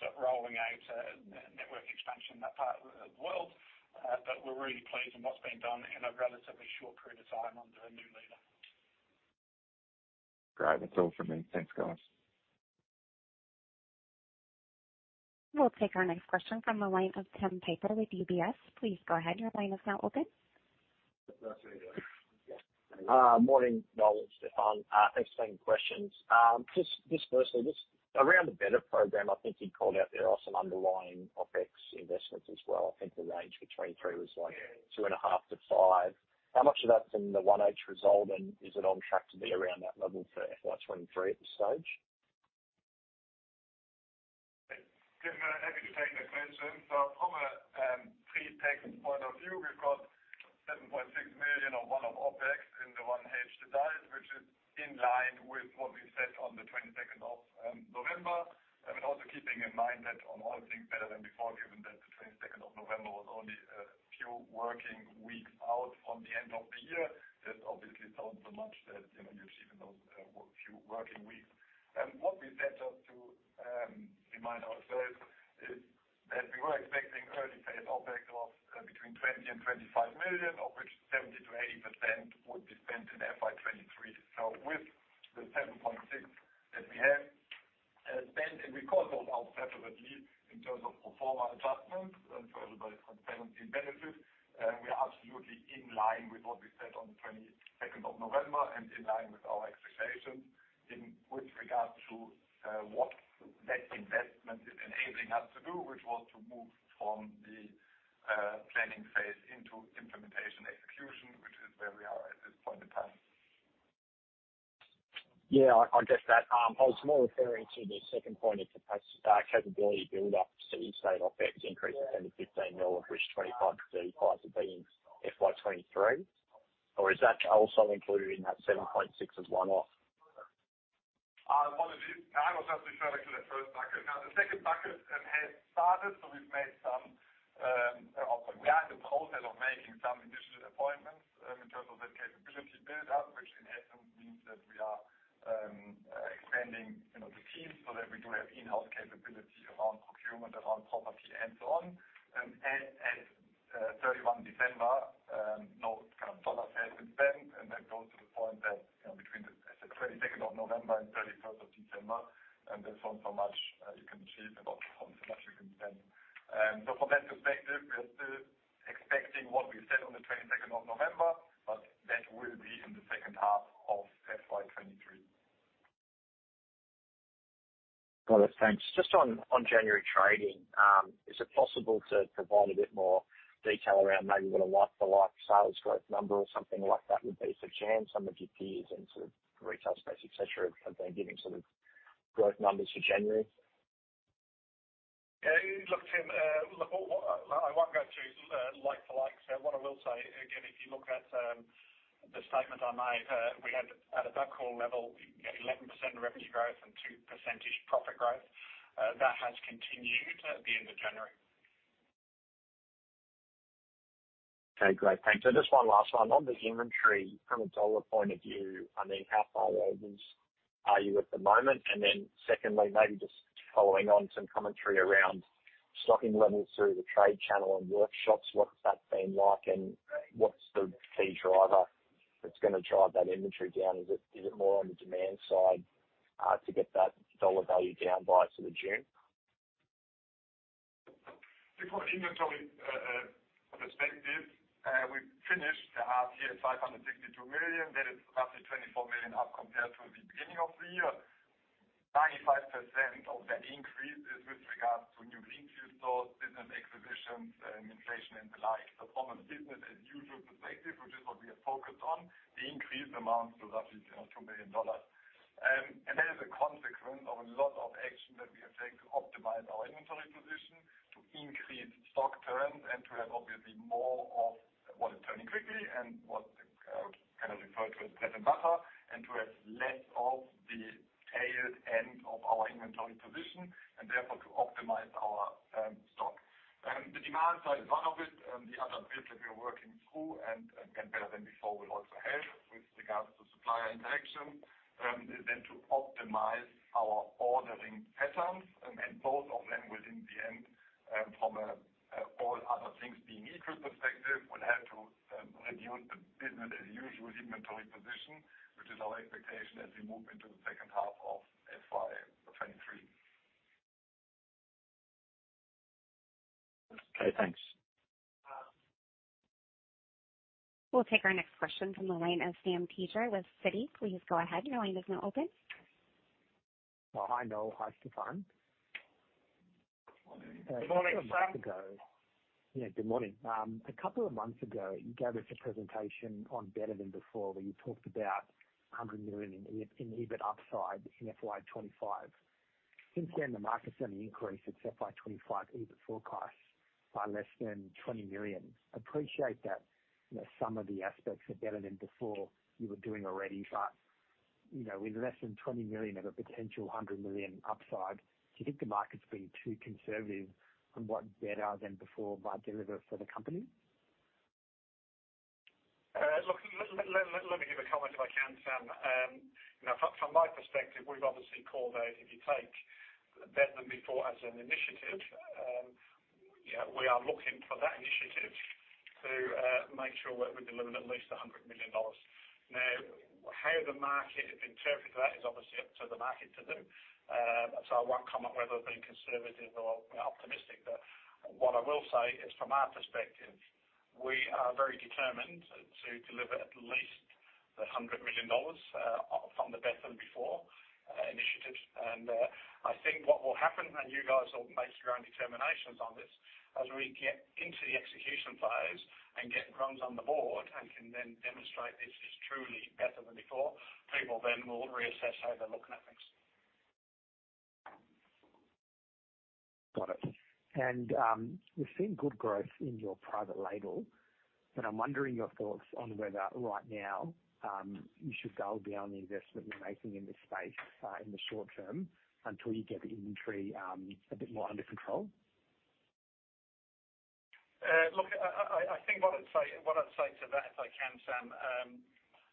Speaker 3: sort of rolling out network expansion in that part of the world. We're really pleased in what's been done in a relatively short period of time under a new leader.
Speaker 8: Great. That's all for me. Thanks, guys.
Speaker 1: We'll take our next question from the line of Tim Piper with UBS. Please go ahead. Your line is now open.
Speaker 9: Morning Noel and Stefan. Same questions. Just firstly, just around the Better program, I think you called out there are some underlying OpEx investments as well. I think the range between 3 was like 2.5-5. How much of that's in the 1H result, and is it on track to be around that level for FY23 at this stage?
Speaker 2: Tim, happy to take the question. From a pre-tax point of view, we've got 7.6 million of one-off OpEx in the 1H result, which is in line with what we said on the 22nd of November. Also keeping in mind that on all things Better than Before, given that the 22nd of November was only a few working weeks out from the end of the year, that's obviously not so much that, you know, you achieve in those few working weeks. What we said just to remind ourselves is that we were expecting early phase OpEx of between 20 million-25 million, of which 70%-80% would be spent in FY23. With the 7.6 that we have spent, and we call those out separately in terms of pro forma adjustments and for everybody's transparency benefit, we are absolutely in line with what we said on 22nd of November and in line with our expectations in with regards to what that investment is enabling us to do, which was to move from the planning phase into implementation execution, which is where we are at this point in time.
Speaker 9: I guess that, I was more referring to the second point of capability build up. You say OpEx increases 10 million-15 million, of which 25 million-35 million will be in FY23. Is that also included in that 7.6 million as one off?
Speaker 2: Apologies. I was actually referring to that first bucket. The second bucket has started, so we've made some offer. We are in the process of making some additional appointments in terms of that capability build up, which in essence means that we are expanding, you know, the team so that we do have in-house capability around procurement, around property and so on. At 31 December, no kind of dollar has been spent. That goes to the point that, you know, between the 22nd of November and 31st of December, there's not so much you can achieve and not so much you can spend. From that perspective, we are still expecting what we said on the 22nd of November, but that will be in the second half of FY23.
Speaker 9: Got it. Thanks. Just on January trading, is it possible to provide a bit more detail around maybe what a like-for-like sales growth number or something like that would be for Jan? Some of your peers in sort of retail space, et cetera, have been giving sort of growth numbers for January.
Speaker 3: Yeah. Look, Tim, look, I won't go too, like for like. What I will say again, if you look at the statement I made, we had at a Bapcor level, 11% revenue growth and 2% profit growth. That has continued at the end of January.
Speaker 9: Okay, great. Thanks. Just one last one. On the inventory from a dollar point of view, I mean, how far away are you at the moment? Secondly, maybe just following on some commentary around stocking levels through the Trade channel and workshops, what's that been like and what's the key driver that's gonna drive that inventory down? Is it more on the demand side to get that dollar value down by sort of June?
Speaker 2: Look, from an inventory perspective, we finished the half year at 562 million. That is roughly 24 million up compared to the beginning of the year. 95% of that increase is with regards to new greenfield stores, business acquisitions, inflation, and the like. From a business as usual perspective, which is what we are focused on, the increase amounts to roughly, you know, 2 million dollars. That is a consequence of a lot of action that we have taken to optimize our inventory position, to increase stock turns, and to have obviously more of what is turning quickly and what, kind of referred to as bread and butter, and to have less of the tailed end of our inventory position, and therefore to optimize our stock. The demand side is one of it, and the other bit that we are working through and again, Better than Before will also help with regards to supplier interaction, is then to optimize our ordering patterns. Both of them within the end, from a all other things being equal perspective, would help to reduce the business as usual inventory position, which is our expectation as we move into the second half of FY23.
Speaker 9: Okay, thanks.
Speaker 1: We'll take our next question from the line of Sam Teeger with Citi. Please go ahead. Your line is now open.
Speaker 10: Hi, Noel. Hi, Stefan.
Speaker 3: Morning.
Speaker 2: Morning, Sam.
Speaker 10: Yeah, good morning. A couple of months ago, you gave us a presentation on Better than Before, where you talked about 100 million in EBIT upside in FY25. Since then, the market's gonna increase its FY25 EBIT forecasts by less than 20 million. Appreciate that, you know, some of the aspects are Better than Before you were doing already. You know, with less than 20 million of a potential 100 million upside, do you think the market's been too conservative on what Better than Before might deliver for the company?
Speaker 3: Look, let me give a comment if I can, Sam. You know, from my perspective, we've obviously called those, if you take Better than Before as an initiative, you know, we are looking for that initiative to make sure that we deliver at least 100 million dollars. How the market interprets that is obviously up to the market to do. I won't comment whether I've been conservative or optimistic. What I will say is, from our perspective, we are very determined to deliver at least 100 million dollars from the Better than Before initiatives. I think what will happen, and you guys will make your own determinations on this, as we get into the execution phase and get runs on the board and can then demonstrate this is truly Better than Before, people then will reassess how they're looking at things.
Speaker 10: Got it. We've seen good growth in your private label, but I'm wondering your thoughts on whether right now, you should dial down the investment you're making in this space, in the short term until you get the inventory, a bit more under control.
Speaker 3: Look, I think what I'd say to that, if I can, Sam,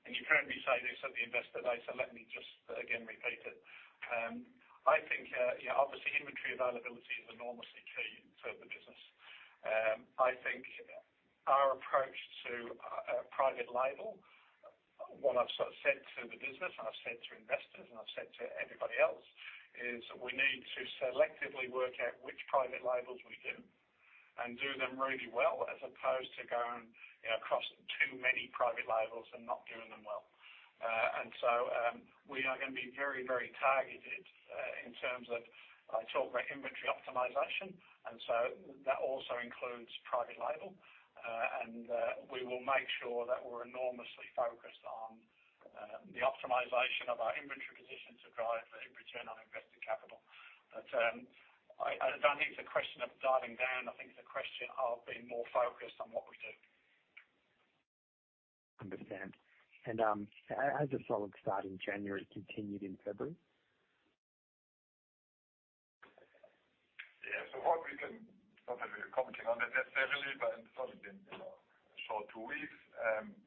Speaker 3: you currently say this at the investor day, so let me just again repeat it. I think, you know, obviously inventory availability is enormously key to the business. I think our approach to private label, what I've sort of said to the business and I've said to investors and I've said to everybody else, is we need to selectively work out which private labels we do and do them really well, as opposed to going, you know, across too many private labels and not doing them well. We are gonna be very, very targeted in terms of, I talk about inventory optimization, and so that also includes private label. We will make sure that we're enormously focused on the optimization of our inventory position to drive the return on invested capital. I don't think it's a question of dialing down. I think it's a question of being more focused on what we do.
Speaker 10: Understand. Has the solid start in January continued in February?
Speaker 2: Yeah. Not that we are commenting on it necessarily, but it's only been, you know, a short 2 weeks,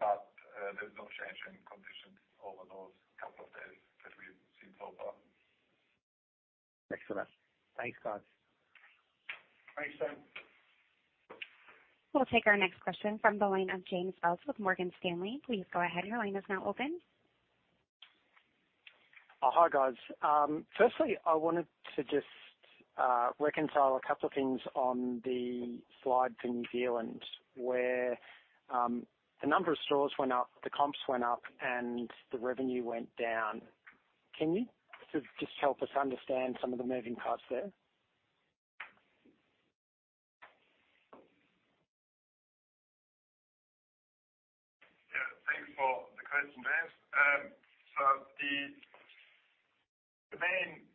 Speaker 2: but there's no change in conditions over those couple of days that we've seen so far.
Speaker 10: Excellent. Thanks, guys.
Speaker 3: Thanks, Sam.
Speaker 1: We'll take our next question from the line of James Fels with Morgan Stanley. Please go ahead. Your line is now open.
Speaker 11: Hi, guys. Firstly, I wanted to just reconcile a couple of things on the slide for New Zealand, where, the number of stores went up, the comps went up, and the revenue went down. Can you sort of just help us understand some of the moving parts there?
Speaker 2: Thanks for the question, James. The main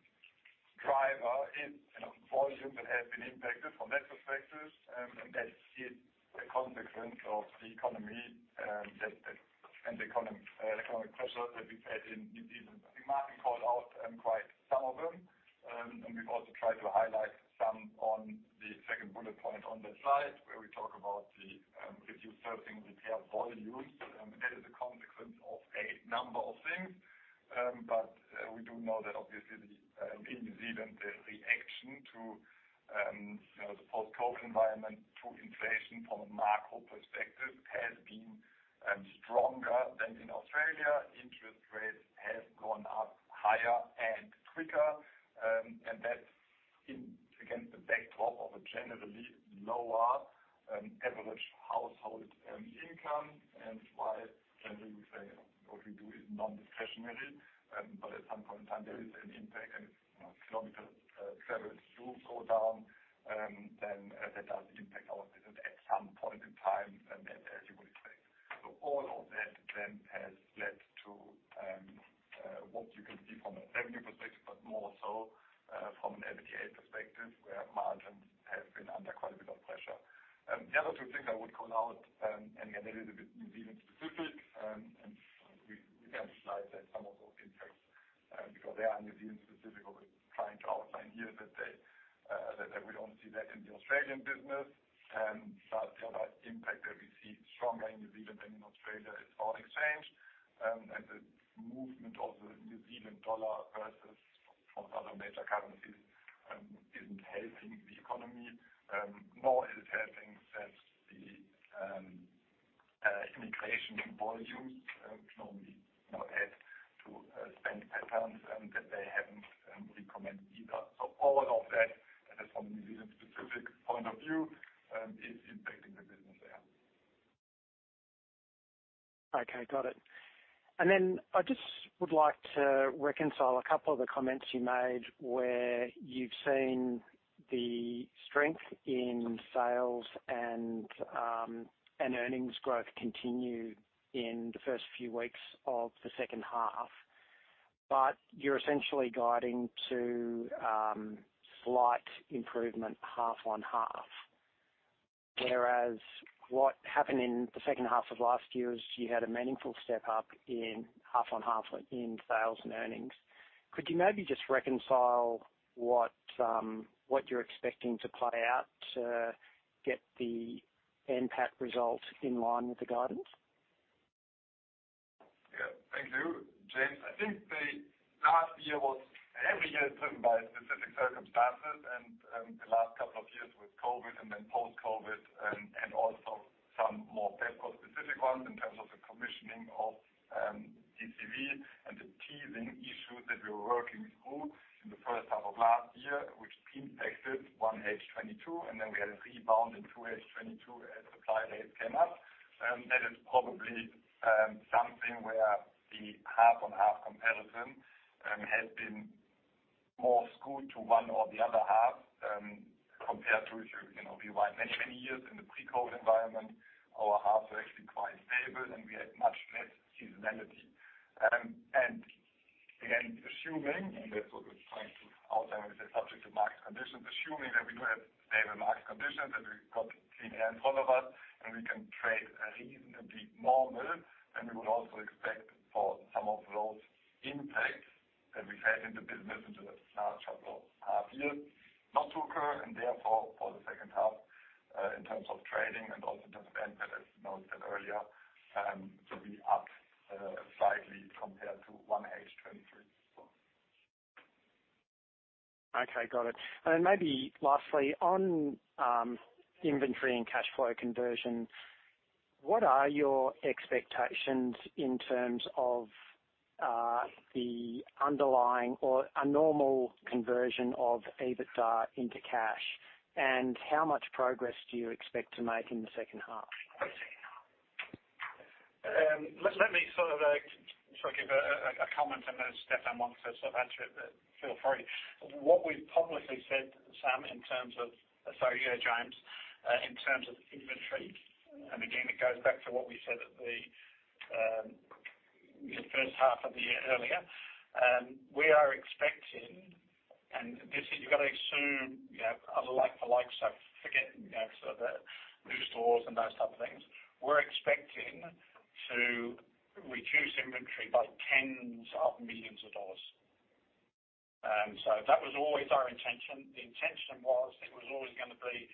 Speaker 2: driver is, you know, volume that has been impacted from that perspective, and that is a consequence of the economy, the economic pressure that we've had in New Zealand. I think Martin called out quite some of them, and we've also tried to highlight some on the second bullet point on that slide, where we talk about the reduced servicing retail volumes. That is a consequence of a number of things. We do know that obviously in New Zealand, the reaction to, you know, the post-COVID environment to inflation from a macro perspective has been stronger than in Australia. Interest rates have gone up higher and quicker. That's in, again, the backdrop of a generally lower average household income. While generally we say what we do is non-discretionary, but at some point in time there is an impact and it's, you know, kilometer travels do go down, then that does impact our business at some point in time, as you would expect. All of that then has led to what you can see from a revenue perspective, but more so from an EBITDA perspective, where margins have been under quite a bit of pressure. The other two things I would call out, and again, that is a bit New Zealand specific, and we have slides that some of those impacts, because they are New Zealand specific, what we're trying to outline here that we don't see that in the Australian business. The other impact that we see stronger in New Zealand than in Australia is foreign exchange. The movement of the New Zealand dollar versus all the other major currencies, isn't helping the economy, nor is it helping that the immigration volumes, normally, you know, add to spend patterns, that they haven't recommenced either. All of that, and that's from a New Zealand specific point of view, is impacting the business there.
Speaker 11: Okay. Got it. I just would like to reconcile a couple of the comments you made where you've seen the strength in sales and earnings growth continued in the first few weeks of the second half. You're essentially guiding to slight improvement half on half. Whereas what happened in the second half of last year is you had a meaningful step up in half on half in sales and earnings. Could you maybe just reconcile what you're expecting to play out to get the NPAT results in line with the guidance?
Speaker 2: Yeah. Thank you, James. I think the last year was... Every year is driven by specific circumstances, and the last couple of years with COVID and then post-COVID and also some more Bapcor specific ones in terms of the commissioning of DCV and the teasing issues that we were working through in the first half of last year, which impacted 1H 2022, and then we had a rebound in 2H 2022 as supply base came up. That is probably something where the half on half comparison has been more skewed to one or the other half compared to if you know, rewind many, many years in the pre-COVID environment, our halves were actually quite stable, and we had much less seasonality. Again, assuming, and that's what we're trying to outline with the subject to market conditions, assuming that we do have stable market conditions, that we've got clean air in front of us, and we can trade reasonably normal, and we would also expect for some of those impacts that we've had in the business into the latter half of last year not to occur and therefore for the second half, in terms of trading and also just spend, as noted earlier, to be up, slightly compared to 1H 2023.
Speaker 11: Okay. Got it. Maybe lastly, on, inventory and cash flow conversion, what are your expectations in terms of, the underlying or a normal conversion of EBITDA into cash? How much progress do you expect to make in the second half?
Speaker 3: Let me give a comment and then Stefan wants to answer it, but feel free. What we've publicly said, Sam, in terms of... Sorry, James. In terms of inventory, and again it goes back to what we said at the first half of the year earlier, we are expecting, and this is you've got to assume, you know, other like for likes. Forget, you know, new stores and those type of things. We're expecting to reduce inventory by AUD tens of millions. That was always our intention. The intention was it was always gonna be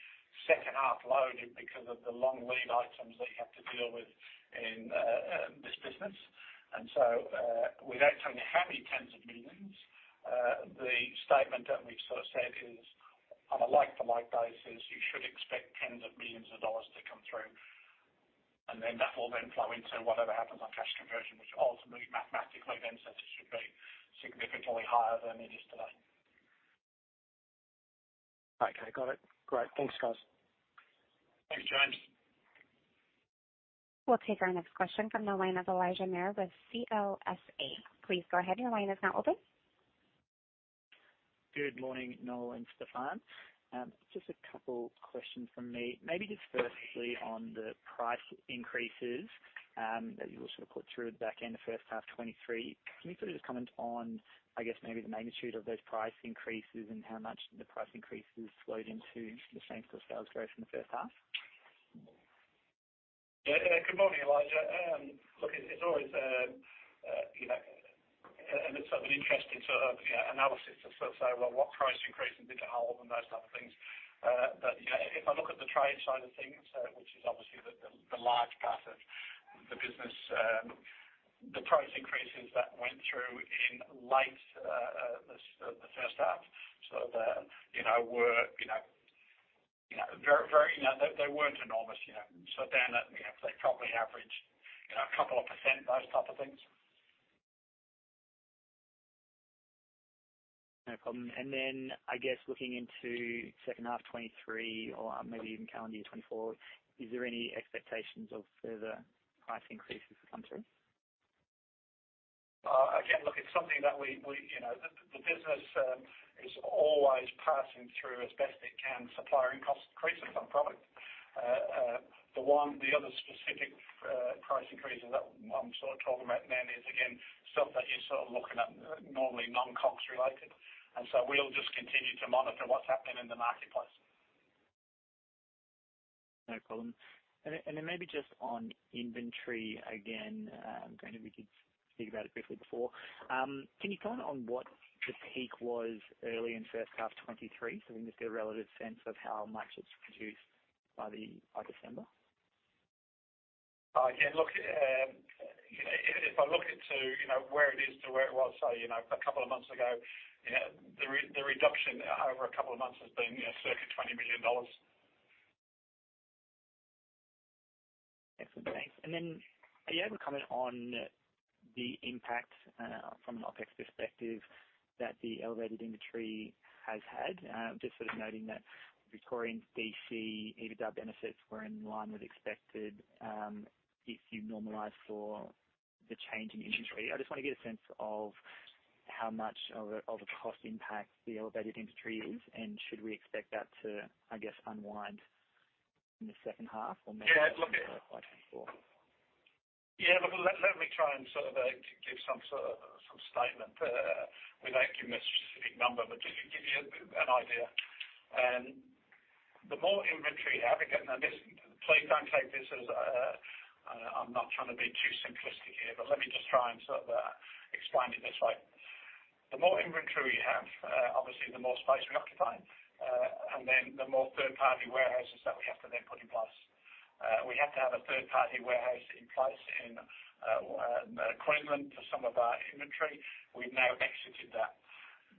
Speaker 3: second half loaded because of the long lead items that you have to deal with in this business. We don't currently have any AUD tens of millions. The statement that we've sort of said is on a like for like basis, you should expect AUD tens of millions to come through. That will then flow into whatever happens on cash conversion, which ultimately mathematically then says it should be significantly higher than it is today.
Speaker 11: Okay. Got it. Great. Thanks, guys.
Speaker 3: Thanks, James.
Speaker 1: We'll take our next question from the line of Elijah Mayr with CLSA. Please go ahead. Your line is now open.
Speaker 12: Good morning, Noel and Stefan. Just a couple questions from me. Maybe just firstly on the price increases that you all sort of put through the back end of first half FY23. Can you sort of just comment on, I guess maybe the magnitude of those price increases and how much the price increases flowed into the same-store sales growth in the first half?
Speaker 3: Yeah. Good morning, Elijah. Look, it's always, you know, and it's sort of an interesting sort of, you know, analysis to sort of say, well, what price increase and did to hold and those type of things. You know, if I look at the Trade side of things, which is obviously the large part of the business, the price increases that went through in late the first half, sort of, you know, were, you know, very, very, you know. They weren't enormous, you know. Down at, you know, they probably averaged, you know, a couple of %, those type of things.
Speaker 12: No problem. I guess looking into second half of 2023 or maybe even calendar year 2024, is there any expectations of further price increases to come through?
Speaker 3: Again, look, it's something that we, you know. The business is always passing through as best it can supplier input cost increases on product. The other specific price increases that I'm sort of talking about then is again stuff that you're sort of looking at normally non-COGS related. We'll just continue to monitor what's happening in the marketplace.
Speaker 12: No problem. Maybe just on inventory again, going if we could speak about it briefly before. Can you comment on what the peak was early in first half 23? We can just get a relative sense of how much it's reduced by the, by December.
Speaker 3: Again, look, if I look into, you know, where it is to where it was, so, you know, a couple of months ago, you know, the reduction over a couple of months has been, you know, circa 20 million dollars.
Speaker 12: Excellent. Thanks. Are you able to comment on the impact, from an OpEx perspective that the elevated inventory has had, just sort of noting that Victoria's EBITDAR benefits were in line with expected, if you normalize for the change in inventory? I just wanna get a sense of how much of a cost impact the elevated inventory is, and should we expect that to, I guess, unwind in the second half or maybe?
Speaker 3: Yeah. Look, let me try and sort of, give some sort of, some statement, without giving a specific number, but just to give you an idea. The more inventory you have, again... This, please don't take this as, I'm not trying to be too simplistic here, but let me just try and sort of, explain it this way. The more inventory you have, obviously the more space we occupy, and then the more third-party warehouses that we have to then put in place. We have to have a third-party warehouse in place in Queensland for some of our inventory. We've now exited that.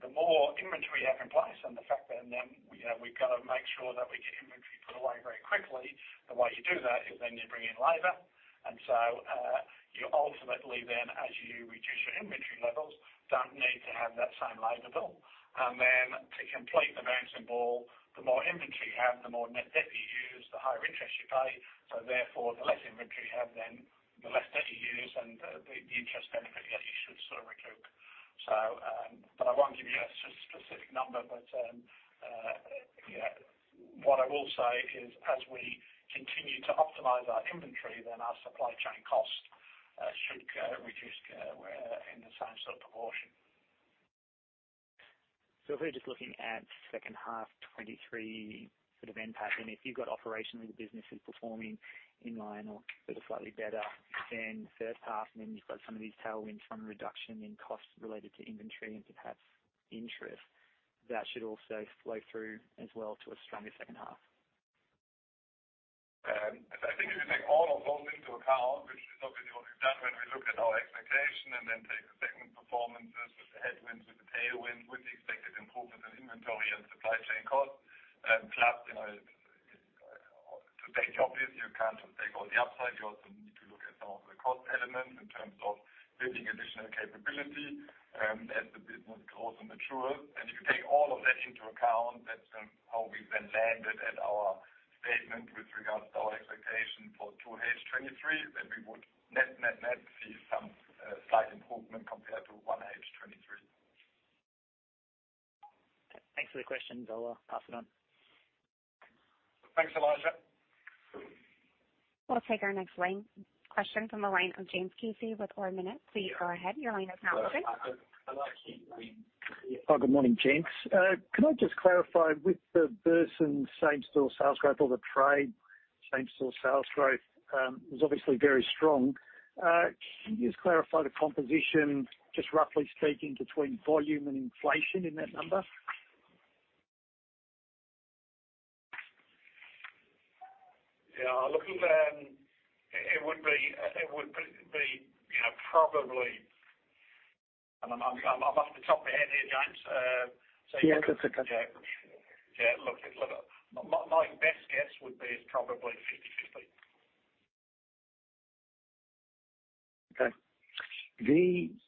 Speaker 3: The more inventory you have in place and the fact that then we, you know, we've gotta make sure that we get inventory put away very quickly. The way you do that is then you bring in labor. You ultimately then, as you reduce your inventory levels, don't need to have that same labor bill. To complete the mounting ball, the more inventory you have, the more net debt you use, the higher interest you pay. Therefore, the less inventory you have, then the less debt you use and the interest benefit you should sort of recoup. But I won't give you a specific number, you know, what I will say is as we continue to optimize our inventory, then our supply chain cost should reduce where in the same sort of proportion.
Speaker 12: If we're just looking at second half 2023 sort of impact, and if you've got operationally the business is performing in line or sort of slightly better than the first half, and then you've got some of these tailwinds from reduction in costs related to inventory and perhaps interest, that should also flow through as well to a stronger second half.
Speaker 3: I think if you take all of those into account, which is obviously what we've done when we look at our expectation and then take the segment performances with the headwinds, with the tailwinds, with the expected improvements in inventory and supply chain costs, plus, you know, to take obvious, you can't just take all the upside. You also need to look at some of the cost elements in terms of building additional capability, as the business grows and matures. If you take all of that into account, that's how we then landed at our statement with regards to our expectation for 2H FY23, then we would net, net see some slight improvement compared to 1H FY23.
Speaker 12: Okay. Thanks for the question. I'll pass it on.
Speaker 3: Thanks, Elijah.
Speaker 1: We'll take our next line... Question from the line of James Casey with Ord Minnett. Please go ahead. Your line is now open.
Speaker 13: Good morning, James. Can I just clarify with the Burson same-store sales growth or the Trade same-store sales growth, was obviously very strong. Can you just clarify the composition, just roughly speaking between volume and inflation in that number?
Speaker 3: Yeah, look, it would be, you know, probably... I'm off the top of my head here, James.
Speaker 13: Yeah. That's okay.
Speaker 3: Yeah. Look, my best guess would be it's probably 50/50.
Speaker 13: Okay.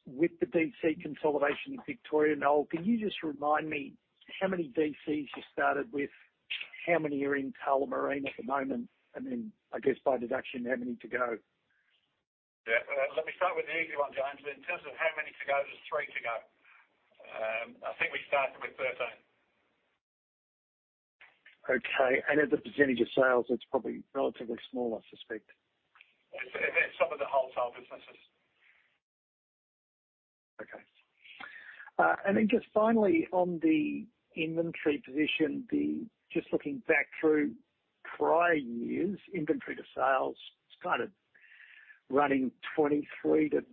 Speaker 13: With the DC consolidation in Victoria, Noel, can you just remind me how many DCs you started with, how many are in Tullamarine at the moment? I guess, by deduction, how many to go?
Speaker 3: Yeah. Let me start with the easy one, James. In terms of how many to go, there's 3 to go. I think we started with 13.
Speaker 13: Okay. As a percentage of sales, it's probably relatively small, I suspect.
Speaker 3: It's some of the wholesale businesses.
Speaker 13: Okay. Just finally on the inventory position, Just looking back through prior years, inventory to sales is kind of running 23%-25%.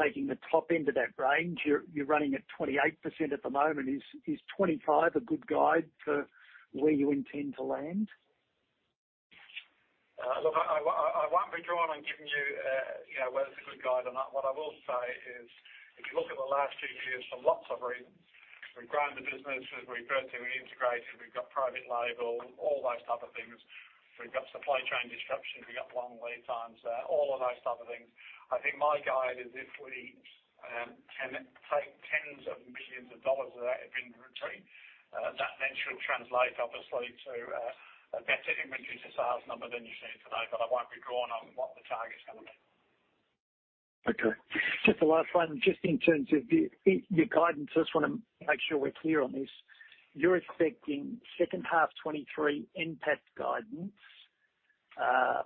Speaker 13: Taking the top end of that range, you're running at 28% at the moment. Is 25 a good guide for where you intend to land?
Speaker 3: Look, I won't be drawn on giving you know, whether it's a good guide or not. What I will say is, if you look at the last two years for lots of reasons, we've grown the business, we've vertically integrated, we've got private label, all those type of things. We've got supply chain disruptions, we've got long lead times, all of those type of things. I think my guide is if we can take tens of millions of AUD of that inventory, that then should translate obviously to a better inventory to sales number than you're seeing today, I won't be drawn on what the target's going to be.
Speaker 13: Just the last one, just in terms of your guidance, I just wanna make sure we're clear on this. You're expecting second half 2023 NPAT guidance,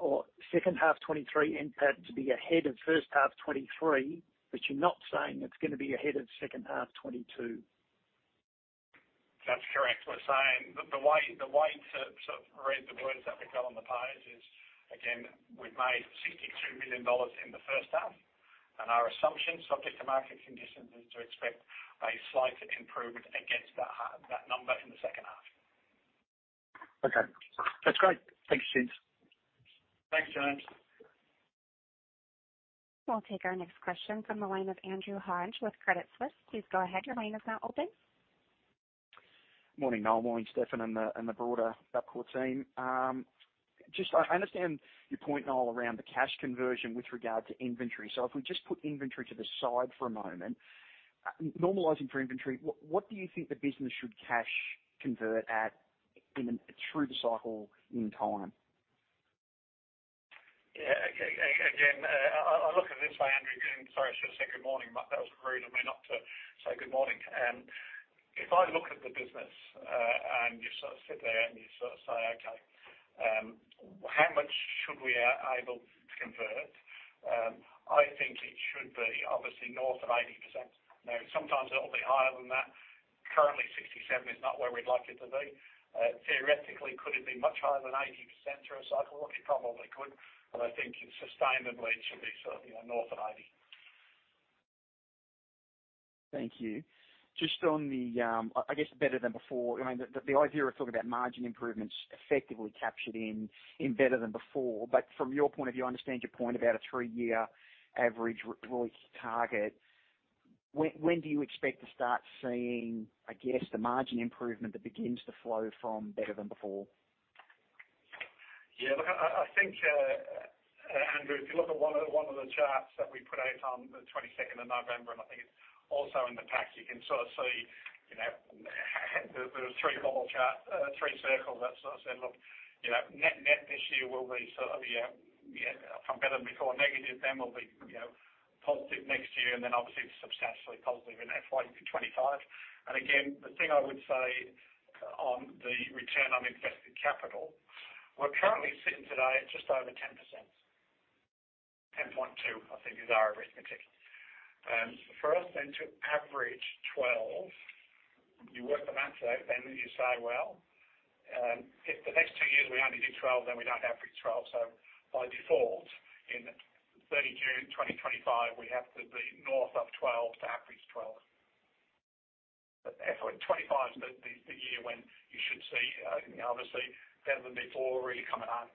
Speaker 13: or second half 2023 NPAT to be ahead of first half 2023. You're not saying it's gonna be ahead of second half 2022.
Speaker 3: That's correct. We're saying the way to sort of read the words that we've got on the page is, again, we've made 63 million dollars in the first half. Our assumption subject to market conditions, is to expect a slight improvement against that half, that number in the second half.
Speaker 13: Okay. That's great. Thank you, James.
Speaker 3: Thanks, James.
Speaker 1: We'll take our next question from the line of Andrew Hodge with Credit Suisse. Please go ahead, your line is now open.
Speaker 14: Morning, Noel. Morning, Stefan, and the broader Bapcor team. Just I understand your point, Noel, around the cash conversion with regard to inventory. If we just put inventory to the side for a moment, normalizing for inventory, what do you think the business should cash convert at in through the cycle in time?
Speaker 3: Again, I look at this, Andrew. Again, sorry, I should have said good morning. That was rude of me not to say good morning. If I look at the business, and you sort of sit there and you sort of say, "Okay, how much should we are able to convert?" I think it should be obviously north of 80%. Sometimes it'll be higher than that. Currently, 67% is not where we'd like it to be. Theoretically, could it be much higher than 80% through a cycle? It probably could, I think sustainably it should be sort of, you know, north of 80%.
Speaker 14: Thank you. Just on the, I guess, Better than Before, I mean, the idea we're talking about margin improvements effectively captured in Better than Before. From your point of view, I understand your point about a three-year average ROIC target. When do you expect to start seeing, I guess, the margin improvement that begins to flow from Better than Before?
Speaker 3: Look, I think, Andrew, if you look at one of the charts that we put out on the 22nd of November, and I think it's also in the pack, you can sort of see, you know, the three bubble chart, three circle that sort of said, look, you know, net this year will be sort of, from Better than Before negative, then will be, you know, positive next year, and then obviously substantially positive in FY25. Again, the thing I would say on the return on invested capital, we're currently sitting today at just over 10%. 10.2, I think is our arithmetic. For us then to average 12, you work the math though, then you say, well, if the next two years we only do 12, then we don't average 12. By default, in 30 June 2025, we have to be north of 12 to average 12. FY25 is the year when you should see, you know, obviously Better than Before really coming on.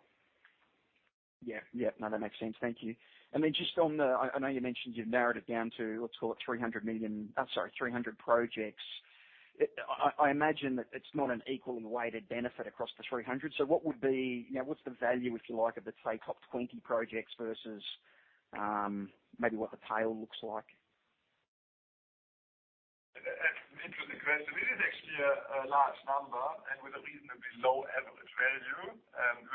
Speaker 14: Yeah. No, that makes sense. Thank you. Then just on the. I know you mentioned you've narrowed it down to, let's call it 300 million, sorry, 300 projects. I imagine that it's not an equally weighted benefit across the 300. What would be, you know, what's the value, if you like, of the, say, top 20 projects versus, maybe what the tail looks like?
Speaker 2: That's an interesting question. It is actually a large number and with a reasonably low average value,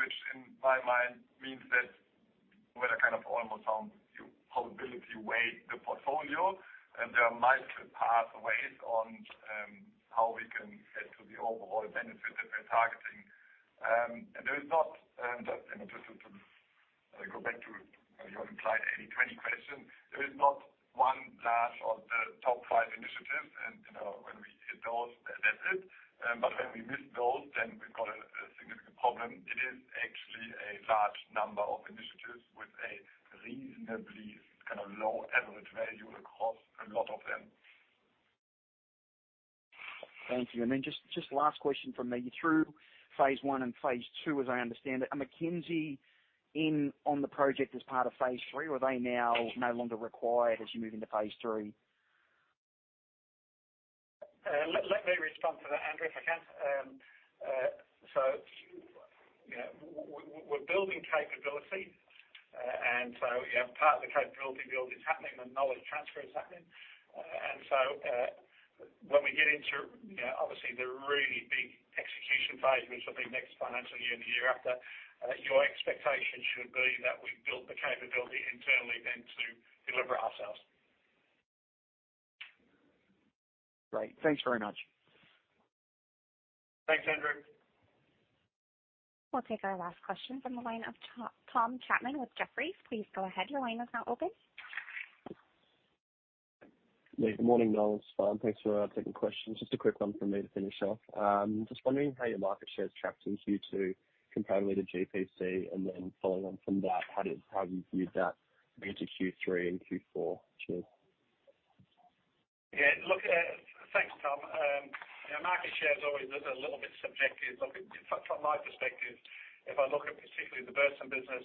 Speaker 2: which in my mind means that when I kind of almost, you, probability weight the portfolio, there are multiple pathways on, how we can get to the overall benefit that we're targeting. There is not, just, you know, just to go back to your implied 80/20 question, there is not one large or the top five initiatives and, you know, when we hit those, that's it. When we miss those, then we've got a significant problem. It is actually a large number of initiatives with a reasonably kind of low average value across a lot of them.
Speaker 14: Thank you. Then just last question from me. Through phase I and phase II, as I understand it, are McKinsey in on the project as part of phase III, or are they now no longer required as you move into phase III?
Speaker 3: Let me respond to that, Andrew, if I can. You know, we're building capability. You know, part of the capability build is happening and knowledge transfer is happening. When we get into, you know, obviously the really big execution phase, which will be next financial year and the year after, your expectation should be that we've built the capability internally then to deliver it ourselves.
Speaker 14: Great. Thanks very much.
Speaker 3: Thanks, Andrew.
Speaker 1: We'll take our last question from the line of Tom Chapman with Jefferies. Please go ahead. Your line is now open.
Speaker 15: Yeah. Good morning, Noel. It's Tom. Thanks for taking questions. Just a quick one from me to finish off. Just wondering how your market share has tracked in second quarter compared with GPC? Following on from that, how have you viewed that going into Q3 and Q4 too?
Speaker 3: Yeah. Look, thanks, Tom. You know, market share is always a little bit subjective. Look, in fact, from my perspective, if I look at particularly the Burson business,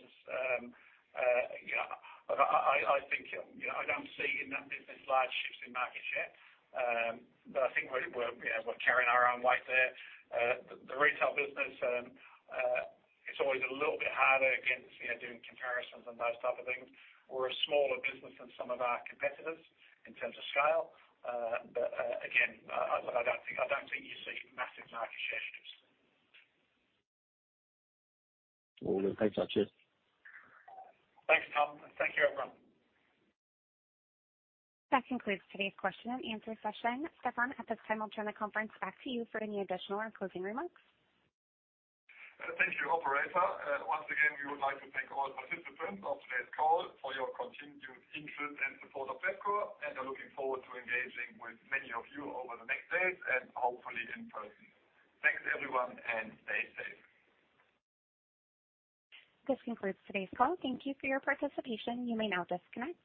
Speaker 3: you know, I think, you know, I don't see in that business large shifts in market share. I think, you know, we're carrying our own weight there. The retail business, it's always a little bit harder against, you know, doing comparisons and those type of things. We're a smaller business than some of our competitors in terms of scale. Again, I don't think you see massive market share shifts.
Speaker 15: Cool. Thanks, guys. Cheers.
Speaker 3: Thanks, Tom, and thank you, everyone.
Speaker 1: That concludes today's question and answer session. Stefan, at this time, I'll turn the conference back to you for any additional or closing remarks.
Speaker 2: Thank you, operator. Once again, we would like to thank all participants of today's call for your continued interest and support of Bapcor, and are looking forward to engaging with many of you over the next days and hopefully in person. Thanks, everyone, and stay safe.
Speaker 1: This concludes today's call. Thank you for your participation. You may now disconnect.